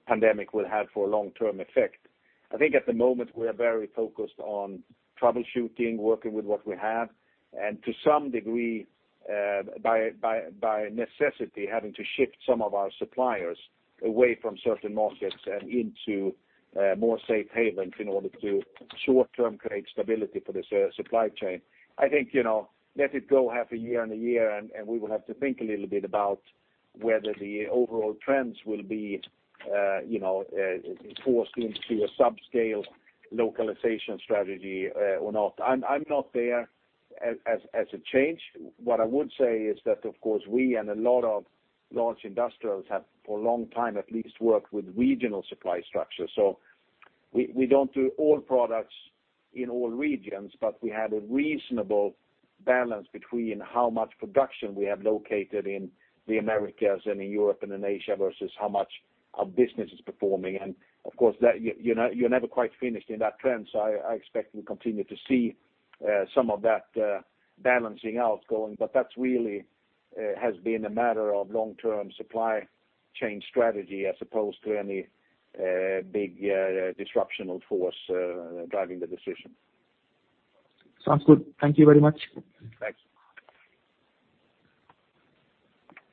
pandemic will have for a long-term effect. I think at the moment, we are very focused on troubleshooting, working with what we have, and to some degree, by necessity, having to shift some of our suppliers away from certain markets and into more safe havens in order to short-term create stability for the supply chain. I think, let it go half a year and a year, and we will have to think a little bit about whether the overall trends will be forced into a subscale localization strategy or not. I'm not there as a change. What I would say is that, of course, we and a lot of large industrials have, for a long time at least, worked with regional supply structures. We don't do all products in all regions, but we have a reasonable balance between how much production we have located in the Americas and in Europe and in Asia versus how much our business is performing. Of course, you're never quite finished in that trend, so I expect we'll continue to see some of that balancing out going. That really has been a matter of long-term supply chain strategy as opposed to any big disruptive force driving the decision. Sounds good. Thank you very much.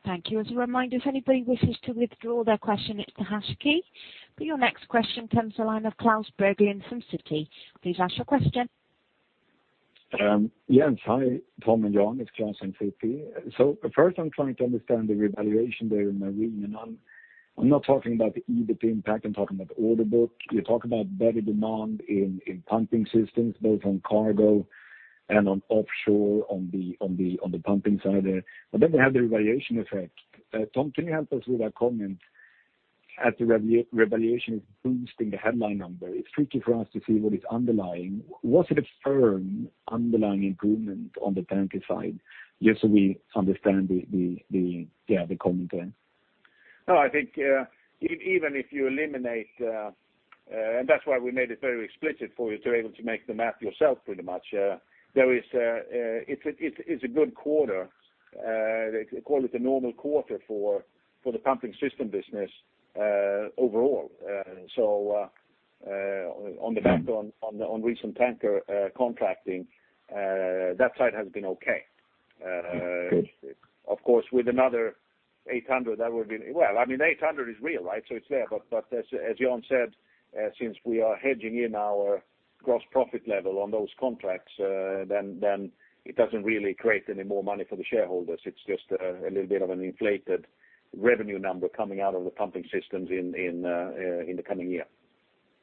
Thanks. Thank you. As a reminder, if anybody wishes to withdraw their question, it's the hash key. Your next question comes the line of Klas Bergelind in Citi. Please ask your question. Jens, hi. Tom and Jan, it's Klas in Citi. first, I'm trying to understand the revaluation there in Marine, and I'm not talking about the EBIT impact, I'm talking about the order book. You talk about better demand in pumping systems, both on cargo and on offshore on the pumping side there. we have the revaluation effect. Tom, can you help us with that comment as the revaluation is boosting the headline number? It's tricky for us to see what is underlying. Was it a firm underlying improvement on the tanker side? Just so we understand the other comment there. No, I think even if you eliminate. That's why we made it very explicit for you to be able to make the math yourself pretty much. It's a good quarter. They call it a normal quarter for the pumping system business overall. On the back on recent tanker contracting, that side has been okay. Good. Of course, with another 800, that would be. I mean, 800 is real, right? It's there. As Jan said, since we are hedging in our gross profit level on those contracts, then it doesn't really create any more money for the shareholders. It's just a little bit of an inflated revenue number coming out of the pumping systems in the coming year.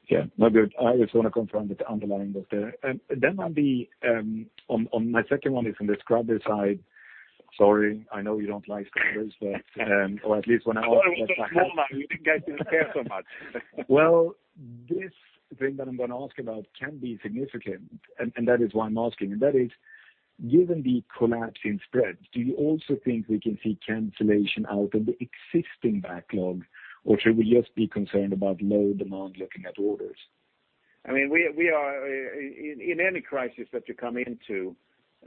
Yeah. No, good. I just want to confirm that. Then on my second one is on the scrubber side. Sorry, I know you don't like scrubbers, or at least when I ask about that No, you didn't get to care so much. Well, this thing that I'm going to ask about can be significant, and that is why I'm asking. That is, given the collapse in spreads, do you also think we can see cancellation out of the existing backlog? Should we just be concerned about low demand looking at orders? In any crisis that you come into,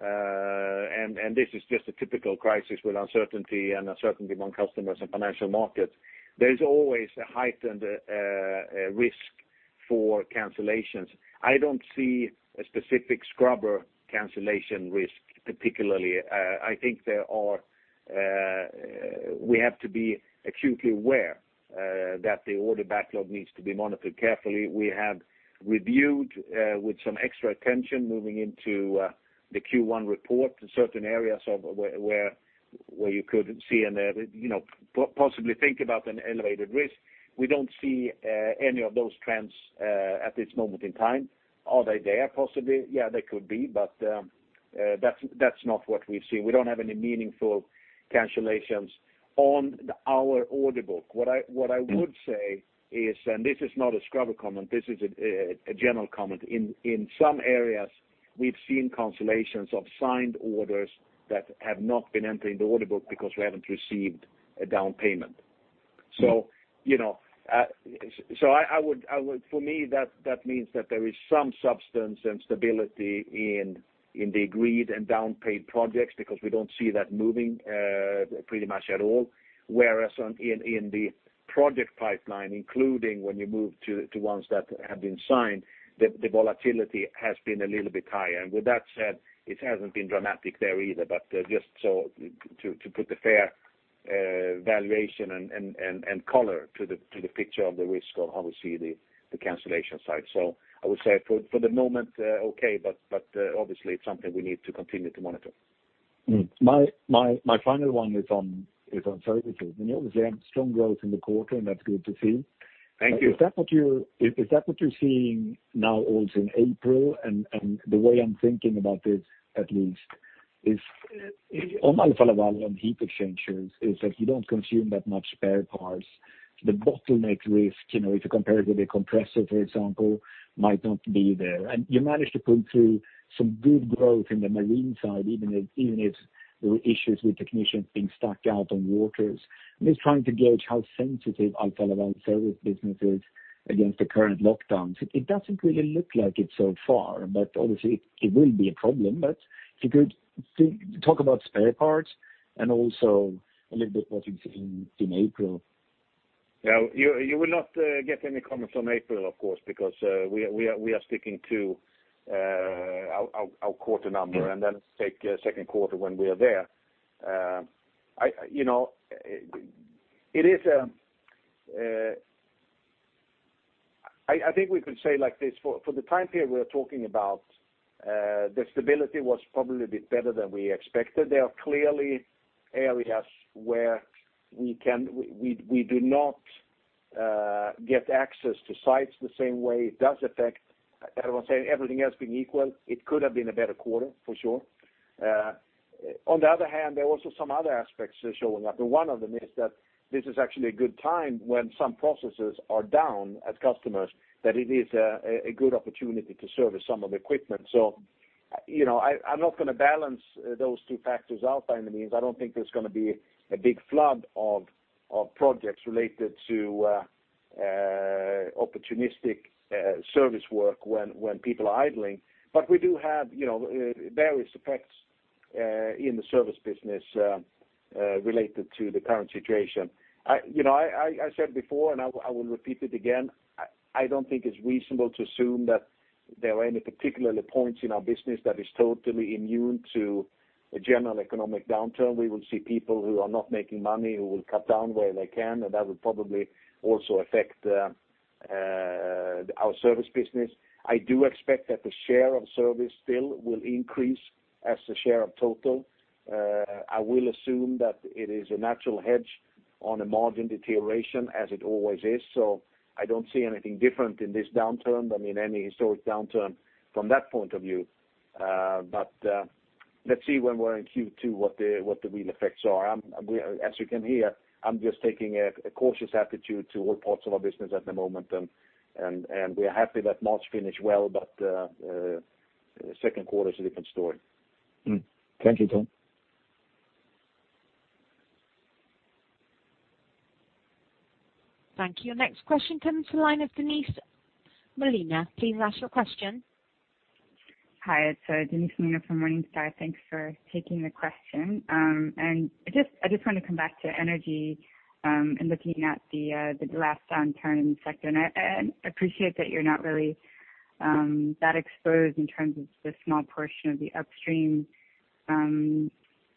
and this is just a typical crisis with uncertainty among customers and financial markets, there's always a heightened risk for cancellations. I don't see a specific scrubber cancellation risk, particularly. I think we have to be acutely aware that the order backlog needs to be monitored carefully. We have reviewed, with some extra attention, moving into the Q1 report, certain areas of where you could see and possibly think about an elevated risk. We don't see any of those trends at this moment in time. Are they there possibly? Yeah, they could be, but that's not what we've seen. We don't have any meaningful cancellations on our order book. What I would say is, and this is not a scrubber comment, this is a general comment. In some areas, we've seen cancellations of signed orders that have not been entering the order book because we haven't received a down payment. For me, that means that there is some substance and stability in the agreed and down-paid projects, because we don't see that moving pretty much at all. Whereas in the project pipeline, including when you move to ones that have been signed, the volatility has been a little bit higher. With that said, it hasn't been dramatic there either, but just to put the fair valuation and color to the picture of the risk of obviously the cancellation side. I would say for the moment, okay, but obviously, it's something we need to continue to monitor. My final one is on services. Obviously, strong growth in the quarter, and that's good to see. Thank you. Is that what you're seeing now also in April? The way I'm thinking about this, at least, is on Alfa Laval, on heat exchangers, is that you don't consume that much spare parts. The bottleneck risk, if you compare it with a compressor, for example, might not be there. You managed to pull through some good growth in the marine side, even if there were issues with technicians being stuck out on waters. I'm just trying to gauge how sensitive Alfa Laval service business is against the current lockdowns. It doesn't really look like it so far, but obviously, it will be a problem. If you could talk about spare parts and also a little bit what you've seen in April. You will not get any comments on April, of course, because we are sticking to our quarter number Yeah take second quarter when we are there. I think we could say it like this. For the time period we're talking about, the stability was probably a bit better than we expected. There are clearly areas where we do not get access to sites the same way. It does affect, as I was saying, everything else being equal, it could have been a better quarter, for sure. On the other hand, there are also some other aspects showing up. one of them is that this is actually a good time when some processes are down as customers, that it is a good opportunity to service some of the equipment. I'm not going to balance those two factors out by any means. I don't think there's going to be a big flood of projects related to opportunistic service work when people are idling. We do have various effects in the service business related to the current situation. I said before, and I will repeat it again, I don't think it's reasonable to assume that there are any particular points in our business that is totally immune to a general economic downturn. We will see people who are not making money, who will cut down where they can, and that would probably also affect our service business. I do expect that the share of service still will increase as the share of total. I will assume that it is a natural hedge on a margin deterioration as it always is. I don't see anything different in this downturn than in any historic downturn from that point of view. Let's see when we're in Q2 what the real effects are. As you can hear, I'm just taking a cautious attitude to all parts of our business at the moment, and we are happy that March finished well, but the second quarter is a different story. Thank you, Tom. Thank you. Next question comes to the line of Denise Molina. Please ask your question. Hi, it's Denise Molina from Morningstar. Thanks for taking the question. I just want to come back to energy, and looking at the last downturn in the sector, and I appreciate that you're not really that exposed in terms of the small portion of the upstream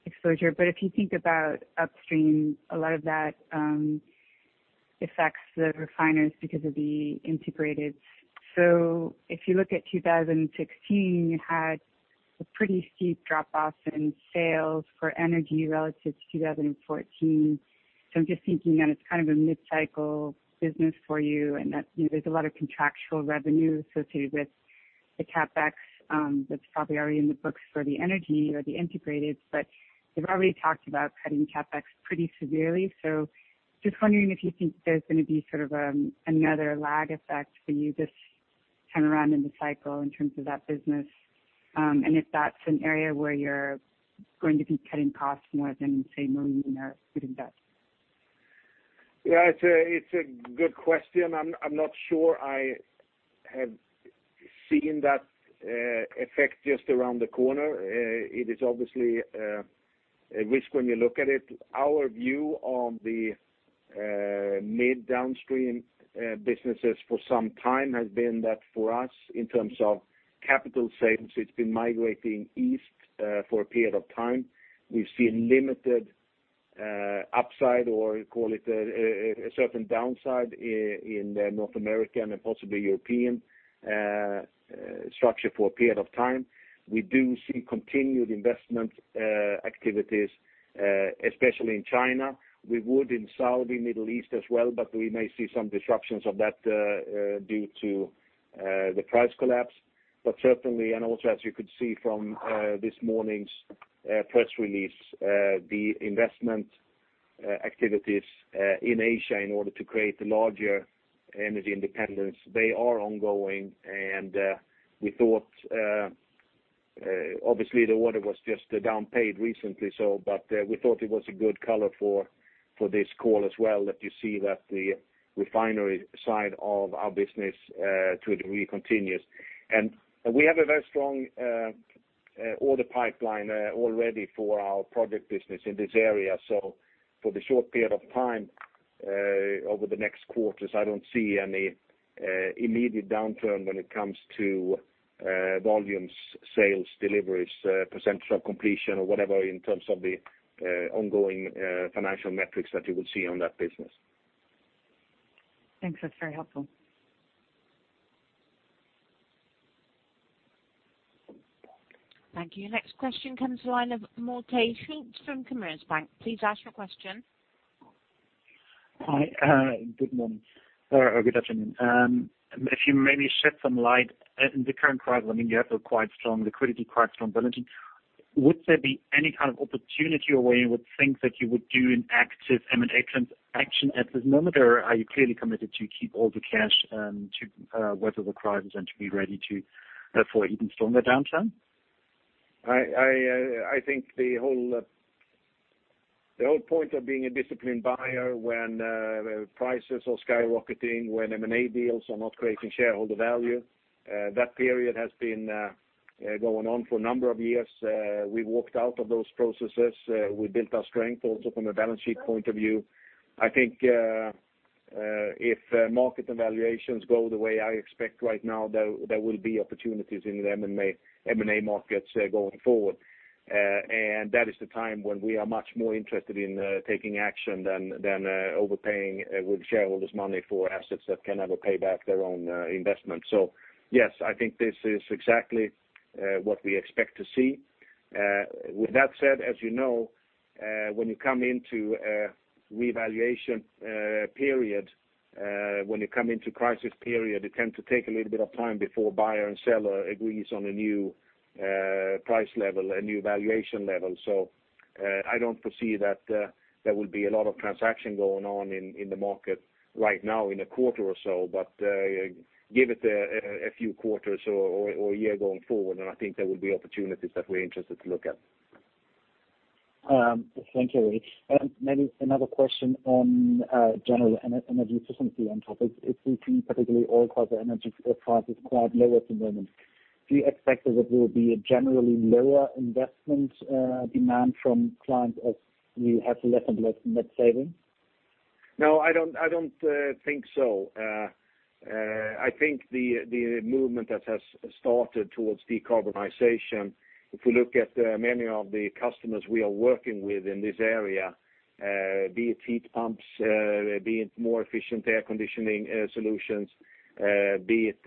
exposure. If you think about upstream, a lot of that affects the refiners because of the integrated. If you look at 2016, you had a pretty steep drop-off in sales for energy relative to revenue 2014. I'm just thinking that it's kind of a mid-cycle business for you, and that there's a lot of contractual revenue associated with the CapEx that's probably already in the books for the energy or the integrated, but you've already talked about cutting CapEx pretty severely. Just wondering if you think there's going to be another lag effect for you this time around in the cycle in terms of that business. And if that's an area where you're going to be cutting costs more than, say, marine or Food & Bev? Yeah, it's a good question. I'm not sure I have seen that effect just around the corner. It is obviously a risk when you look at it. Our view on the mid downstream businesses for some time has been that for us, in terms of capital savings, it's been migrating east for a period of time. We've seen limited upside, or call it a certain downside in North America and possibly European structure for a period of time. We do see continued investment activities, especially in China. We would in Saudi, Middle East as well, but we may see some disruptions of that due to the price collapse. Certainly, and also as you could see from this morning's press release, the investment activities in Asia in order to create a larger energy independence, they are ongoing. Obviously, the order was just down paid recently, but we thought it was a good color for this call as well that you see that the refinery side of our business to a degree continues. We have a very strong order pipeline already for our project business in this area. For the short period of time over the next quarters, I don't see any immediate downturn when it comes to volumes, sales, deliveries, percentage of completion or whatever in terms of the ongoing financial metrics that you would see on that business. Thanks. That's very helpful. Thank you. Next question comes the line of Malte Schulz from Commerzbank. Please ask your question. Hi, good morning or good afternoon. If you maybe shed some light in the current climate, you have a quite strong liquidity, quite strong balance sheet. Would there be any kind of opportunity or where you would think that you would do an active M&A action at this moment, or are you clearly committed to keep all the cash to weather the crisis and to be ready for even stronger downturn? I think the whole point of being a disciplined buyer when prices are skyrocketing, when M&A deals are not creating shareholder value, that period has been going on for a number of years. We walked out of those processes. We built our strength also from a balance sheet point of view. I think if market evaluations go the way I expect right now, there will be opportunities in the M&A markets going forward. That is the time when we are much more interested in taking action than overpaying with shareholders' money for assets that can never pay back their own investment. Yes, I think this is exactly what we expect to see. With that said, as you know, when you come into a revaluation period, when you come into crisis period, it tends to take a little bit of time before buyer and seller agrees on a new price level, a new valuation level. I don't foresee that there will be a lot of transaction going on in the market right now in a quarter or so, but give it a few quarters or a year going forward, and I think there will be opportunities that we're interested to look at. Thank you. Maybe another question on general energy efficiency on top of it. If we see particularly oil, gas, energy prices quite low at the moment, do you expect that there will be a generally lower investment demand from clients as we have less and less net savings? No, I don't think so. I think the movement that has started towards decarbonization, if we look at many of the customers we are working with in this area, be it heat pumps, be it more efficient air conditioning solutions, be it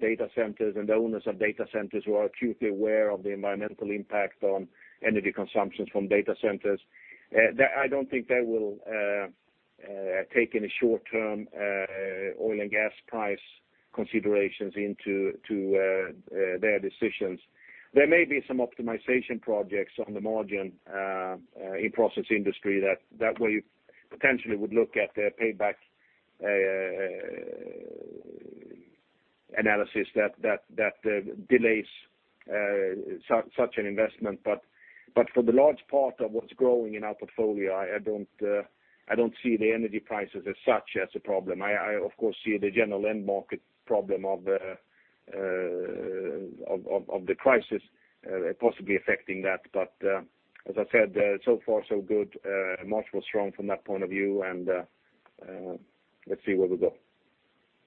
data centers and the owners of data centers who are acutely aware of the environmental impact on energy consumptions from data centers, I don't think they will take any short-term oil and gas price considerations into their decisions. There may be some optimization projects on the margin in process industry that where you potentially would look at payback analysis that delays such an investment. For the large part of what's growing in our portfolio, I don't see the energy prices as such as a problem. I, of course, see the general end market problem of the crisis possibly affecting that. As I said, so far so good. March was strong from that point of view, and let's see where we go.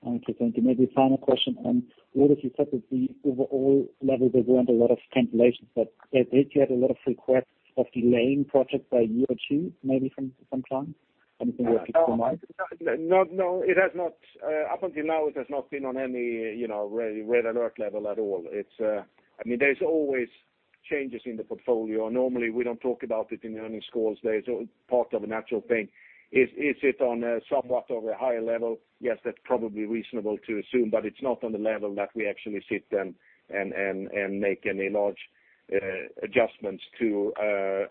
Okay, thank you. Maybe final question on orders. You said that the overall level, there weren't a lot of cancellations, but did you have a lot of requests of delaying projects by a year or two, maybe from clients? Anything that sticks to mind? Up until now, it has not been on any red alert level at all. There's always changes in the portfolio. Normally, we don't talk about it in the earnings calls. They're part of a natural thing. Is it on a somewhat of a higher level? That's probably reasonable to assume, but it's not on the level that we actually sit and make any large adjustments to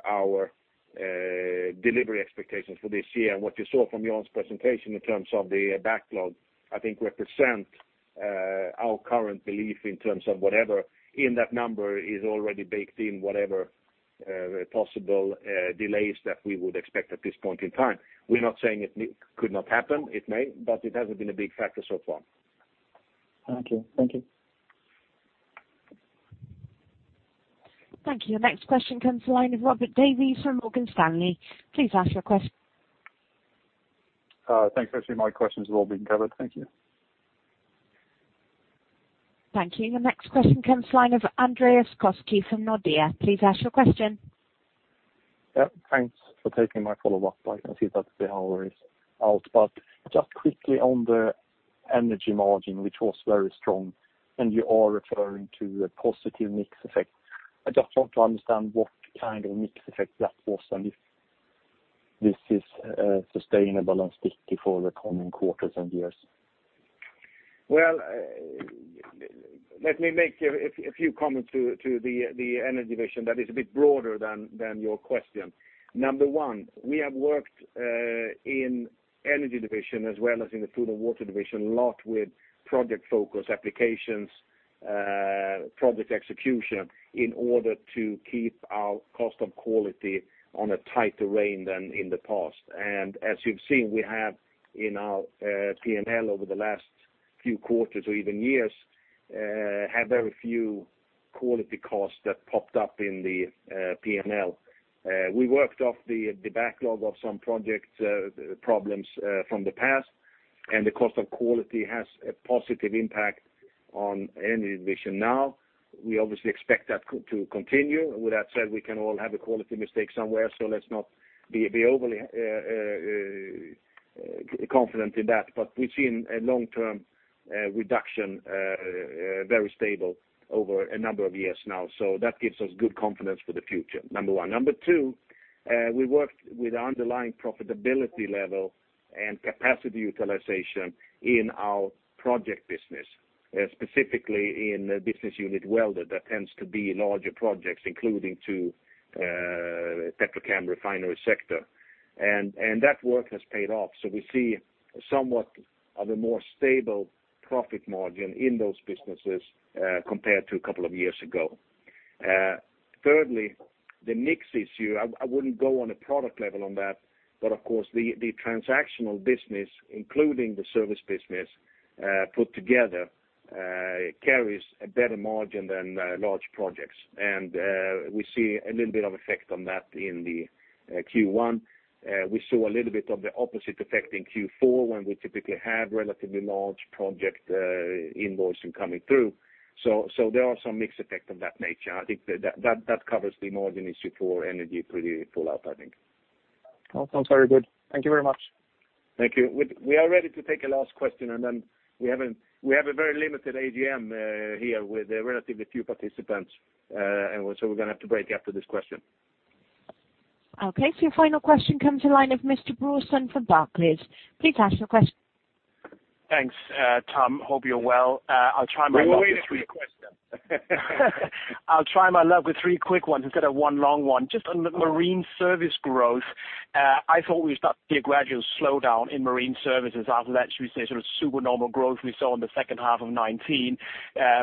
our delivery expectations for this year. What you saw from Jan's presentation in terms of the backlog, I think represent our current belief in terms of whatever in that number is already baked in, whatever possible delays that we would expect at this point in time. We're not saying it could not happen. It may, but it hasn't been a big factor so far. Thank you. Thank you. The next question comes to the line of Robert Davies from Morgan Stanley. Please ask your question. Thanks. Actually, my questions have all been covered. Thank you. Thank you. The next question comes to the line of Andreas Koski from Nordea. Please ask your question. Yeah, thanks for taking my follow-up. I can see that the hour is out. Just quickly on the energy margin, which was very strong, and you are referring to a positive mix effect. I just want to understand what kind of mix effect that was and if this is sustainable and sticky for the coming quarters and years. Well, let me make a few comments to the energy division that is a bit broader than your question. Number one, we have worked in energy division as well as in the food and water division, a lot with project focus applications, project execution in order to keep our cost of quality on a tighter rein than in the past. As you've seen, we have in our P&L over the last few quarters or even years, had very few quality costs that popped up in the P&L. We worked off the backlog of some project problems from the past, and the cost of quality has a positive impact on energy division now. We obviously expect that to continue. With that said, we can all have a quality mistake somewhere, so let's not be overly confident in that, but we've seen a long-term reduction, very stable over a number of years now, so that gives us good confidence for the future. Number one. Number two, we worked with underlying profitability level and capacity utilization in our project business, specifically in business unit Welded, that tends to be larger projects, including to petrochem refinery sector. That work has paid off. We see somewhat of a more stable profit margin in those businesses compared to a couple of years ago. Thirdly, the mix issue, I wouldn't go on a product level on that, but of course the transactional business, including the service business, put together carries a better margin than large projects. We see a little bit of effect on that in the Q1. We saw a little bit of the opposite effect in Q4, when we typically have relatively large project invoicing coming through. There are some mix effects of that nature. I think that covers the margin issue for energy pretty full out, I think. Sounds very good. Thank you very much. Thank you. We are ready to take a last question, and then we have a very limited AGM here with relatively few participants. We're going to have to break after this question. Okay, your final question comes to the line of Mr. Brorson from Barclays. Please ask your question. Thanks, Tom. Hope you're well. I'll try my luck with three We're waiting for your question. I'll try my luck with three quick ones instead of one long one. Just on the marine service growth, I thought we'd start to see a gradual slowdown in marine services after, let's just say, sort of super normal growth we saw in the second half of 2019,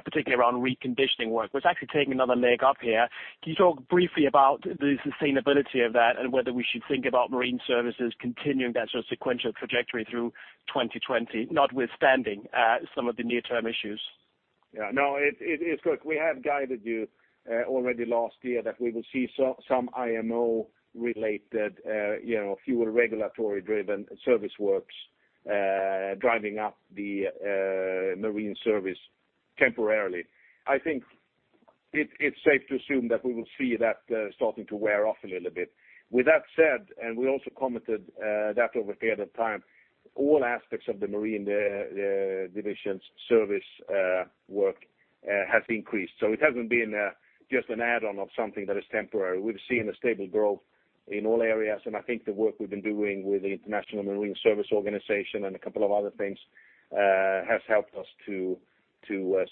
particularly around reconditioning work. It's actually taking another leg up here. Can you talk briefly about the sustainability of that and whether we should think about marine services continuing that sort of sequential trajectory through 2020, notwithstanding some of the near-term issues? Yeah, no, it's good. We have guided you already last year that we will see some IMO-related fuel regulatory-driven service works driving up the marine service temporarily. I think it's safe to assume that we will see that starting to wear off a little bit. With that said, and we also commented that over a period of time, all aspects of the marine division service work has increased. it hasn't been just an add-on of something that is temporary. We've seen a stable growth in all areas, and I think the work we've been doing with the International Marine Service Organization and a couple of other things has helped us to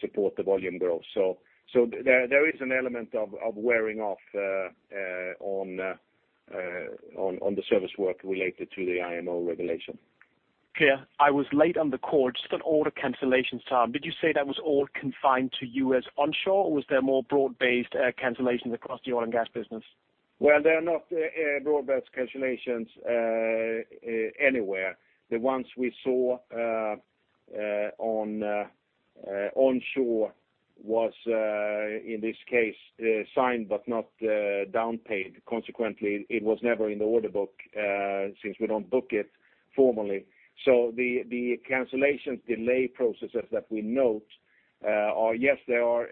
support the volume growth. there is an element of wearing off on the service work related to the IMO regulation. Clear. I was late on the call, just on order cancellations, Tom, did you say that was all confined to U.S. onshore, or was there more broad-based cancellations across the oil and gas business? Well, there are not broad-based cancellations anywhere. The ones we saw onshore was, in this case, signed but not down paid. Consequently, it was never in the order book, since we don't book it formally. The cancellations delay processes that we note are, yes, they are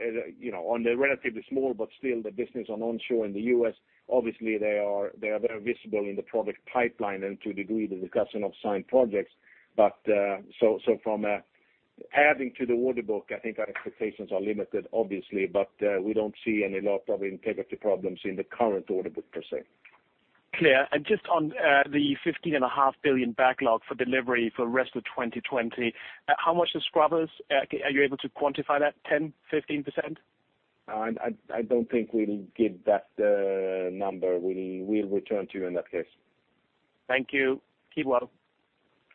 on the relatively small, but still the business on onshore in the U.S., obviously they are very visible in the project pipeline and to a degree, the discussion of signed projects. From adding to the order book, I think our expectations are limited, obviously, but we don't see any lot of integrity problems in the current order book, per se. Clear. Just on the 15.5 billion backlog for delivery for rest of 2020, how much are scrubbers? Are you able to quantify that 10%, 15%? I don't think we'll give that number. We will return to you in that case. Thank you. Keep well.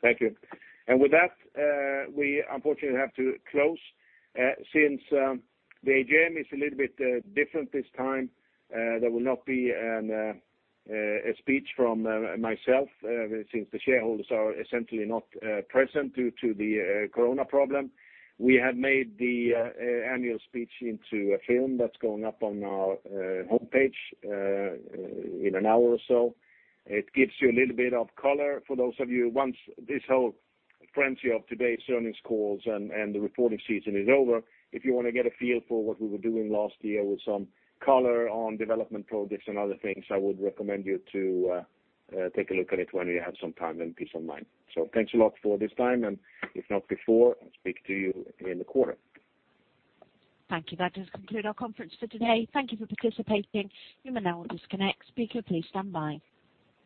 Thank you. With that, we unfortunately have to close. Since the AGM is a little bit different this time, there will not be a speech from myself, since the shareholders are essentially not present due to the Corona problem. We have made the annual speech into a film that's going up on our homepage in an hour or so. It gives you a little bit of color for those of you, once this whole frenzy of today's earnings calls and the reporting season is over. If you want to get a feel for what we were doing last year with some color on development projects and other things, I would recommend you to take a look at it when you have some time and peace of mind. Thanks a lot for this time, and if not before, I'll speak to you in the quarter. Thank you. That does conclude our conference for today. Thank you for participating. You may now disconnect. Speaker, please stand by.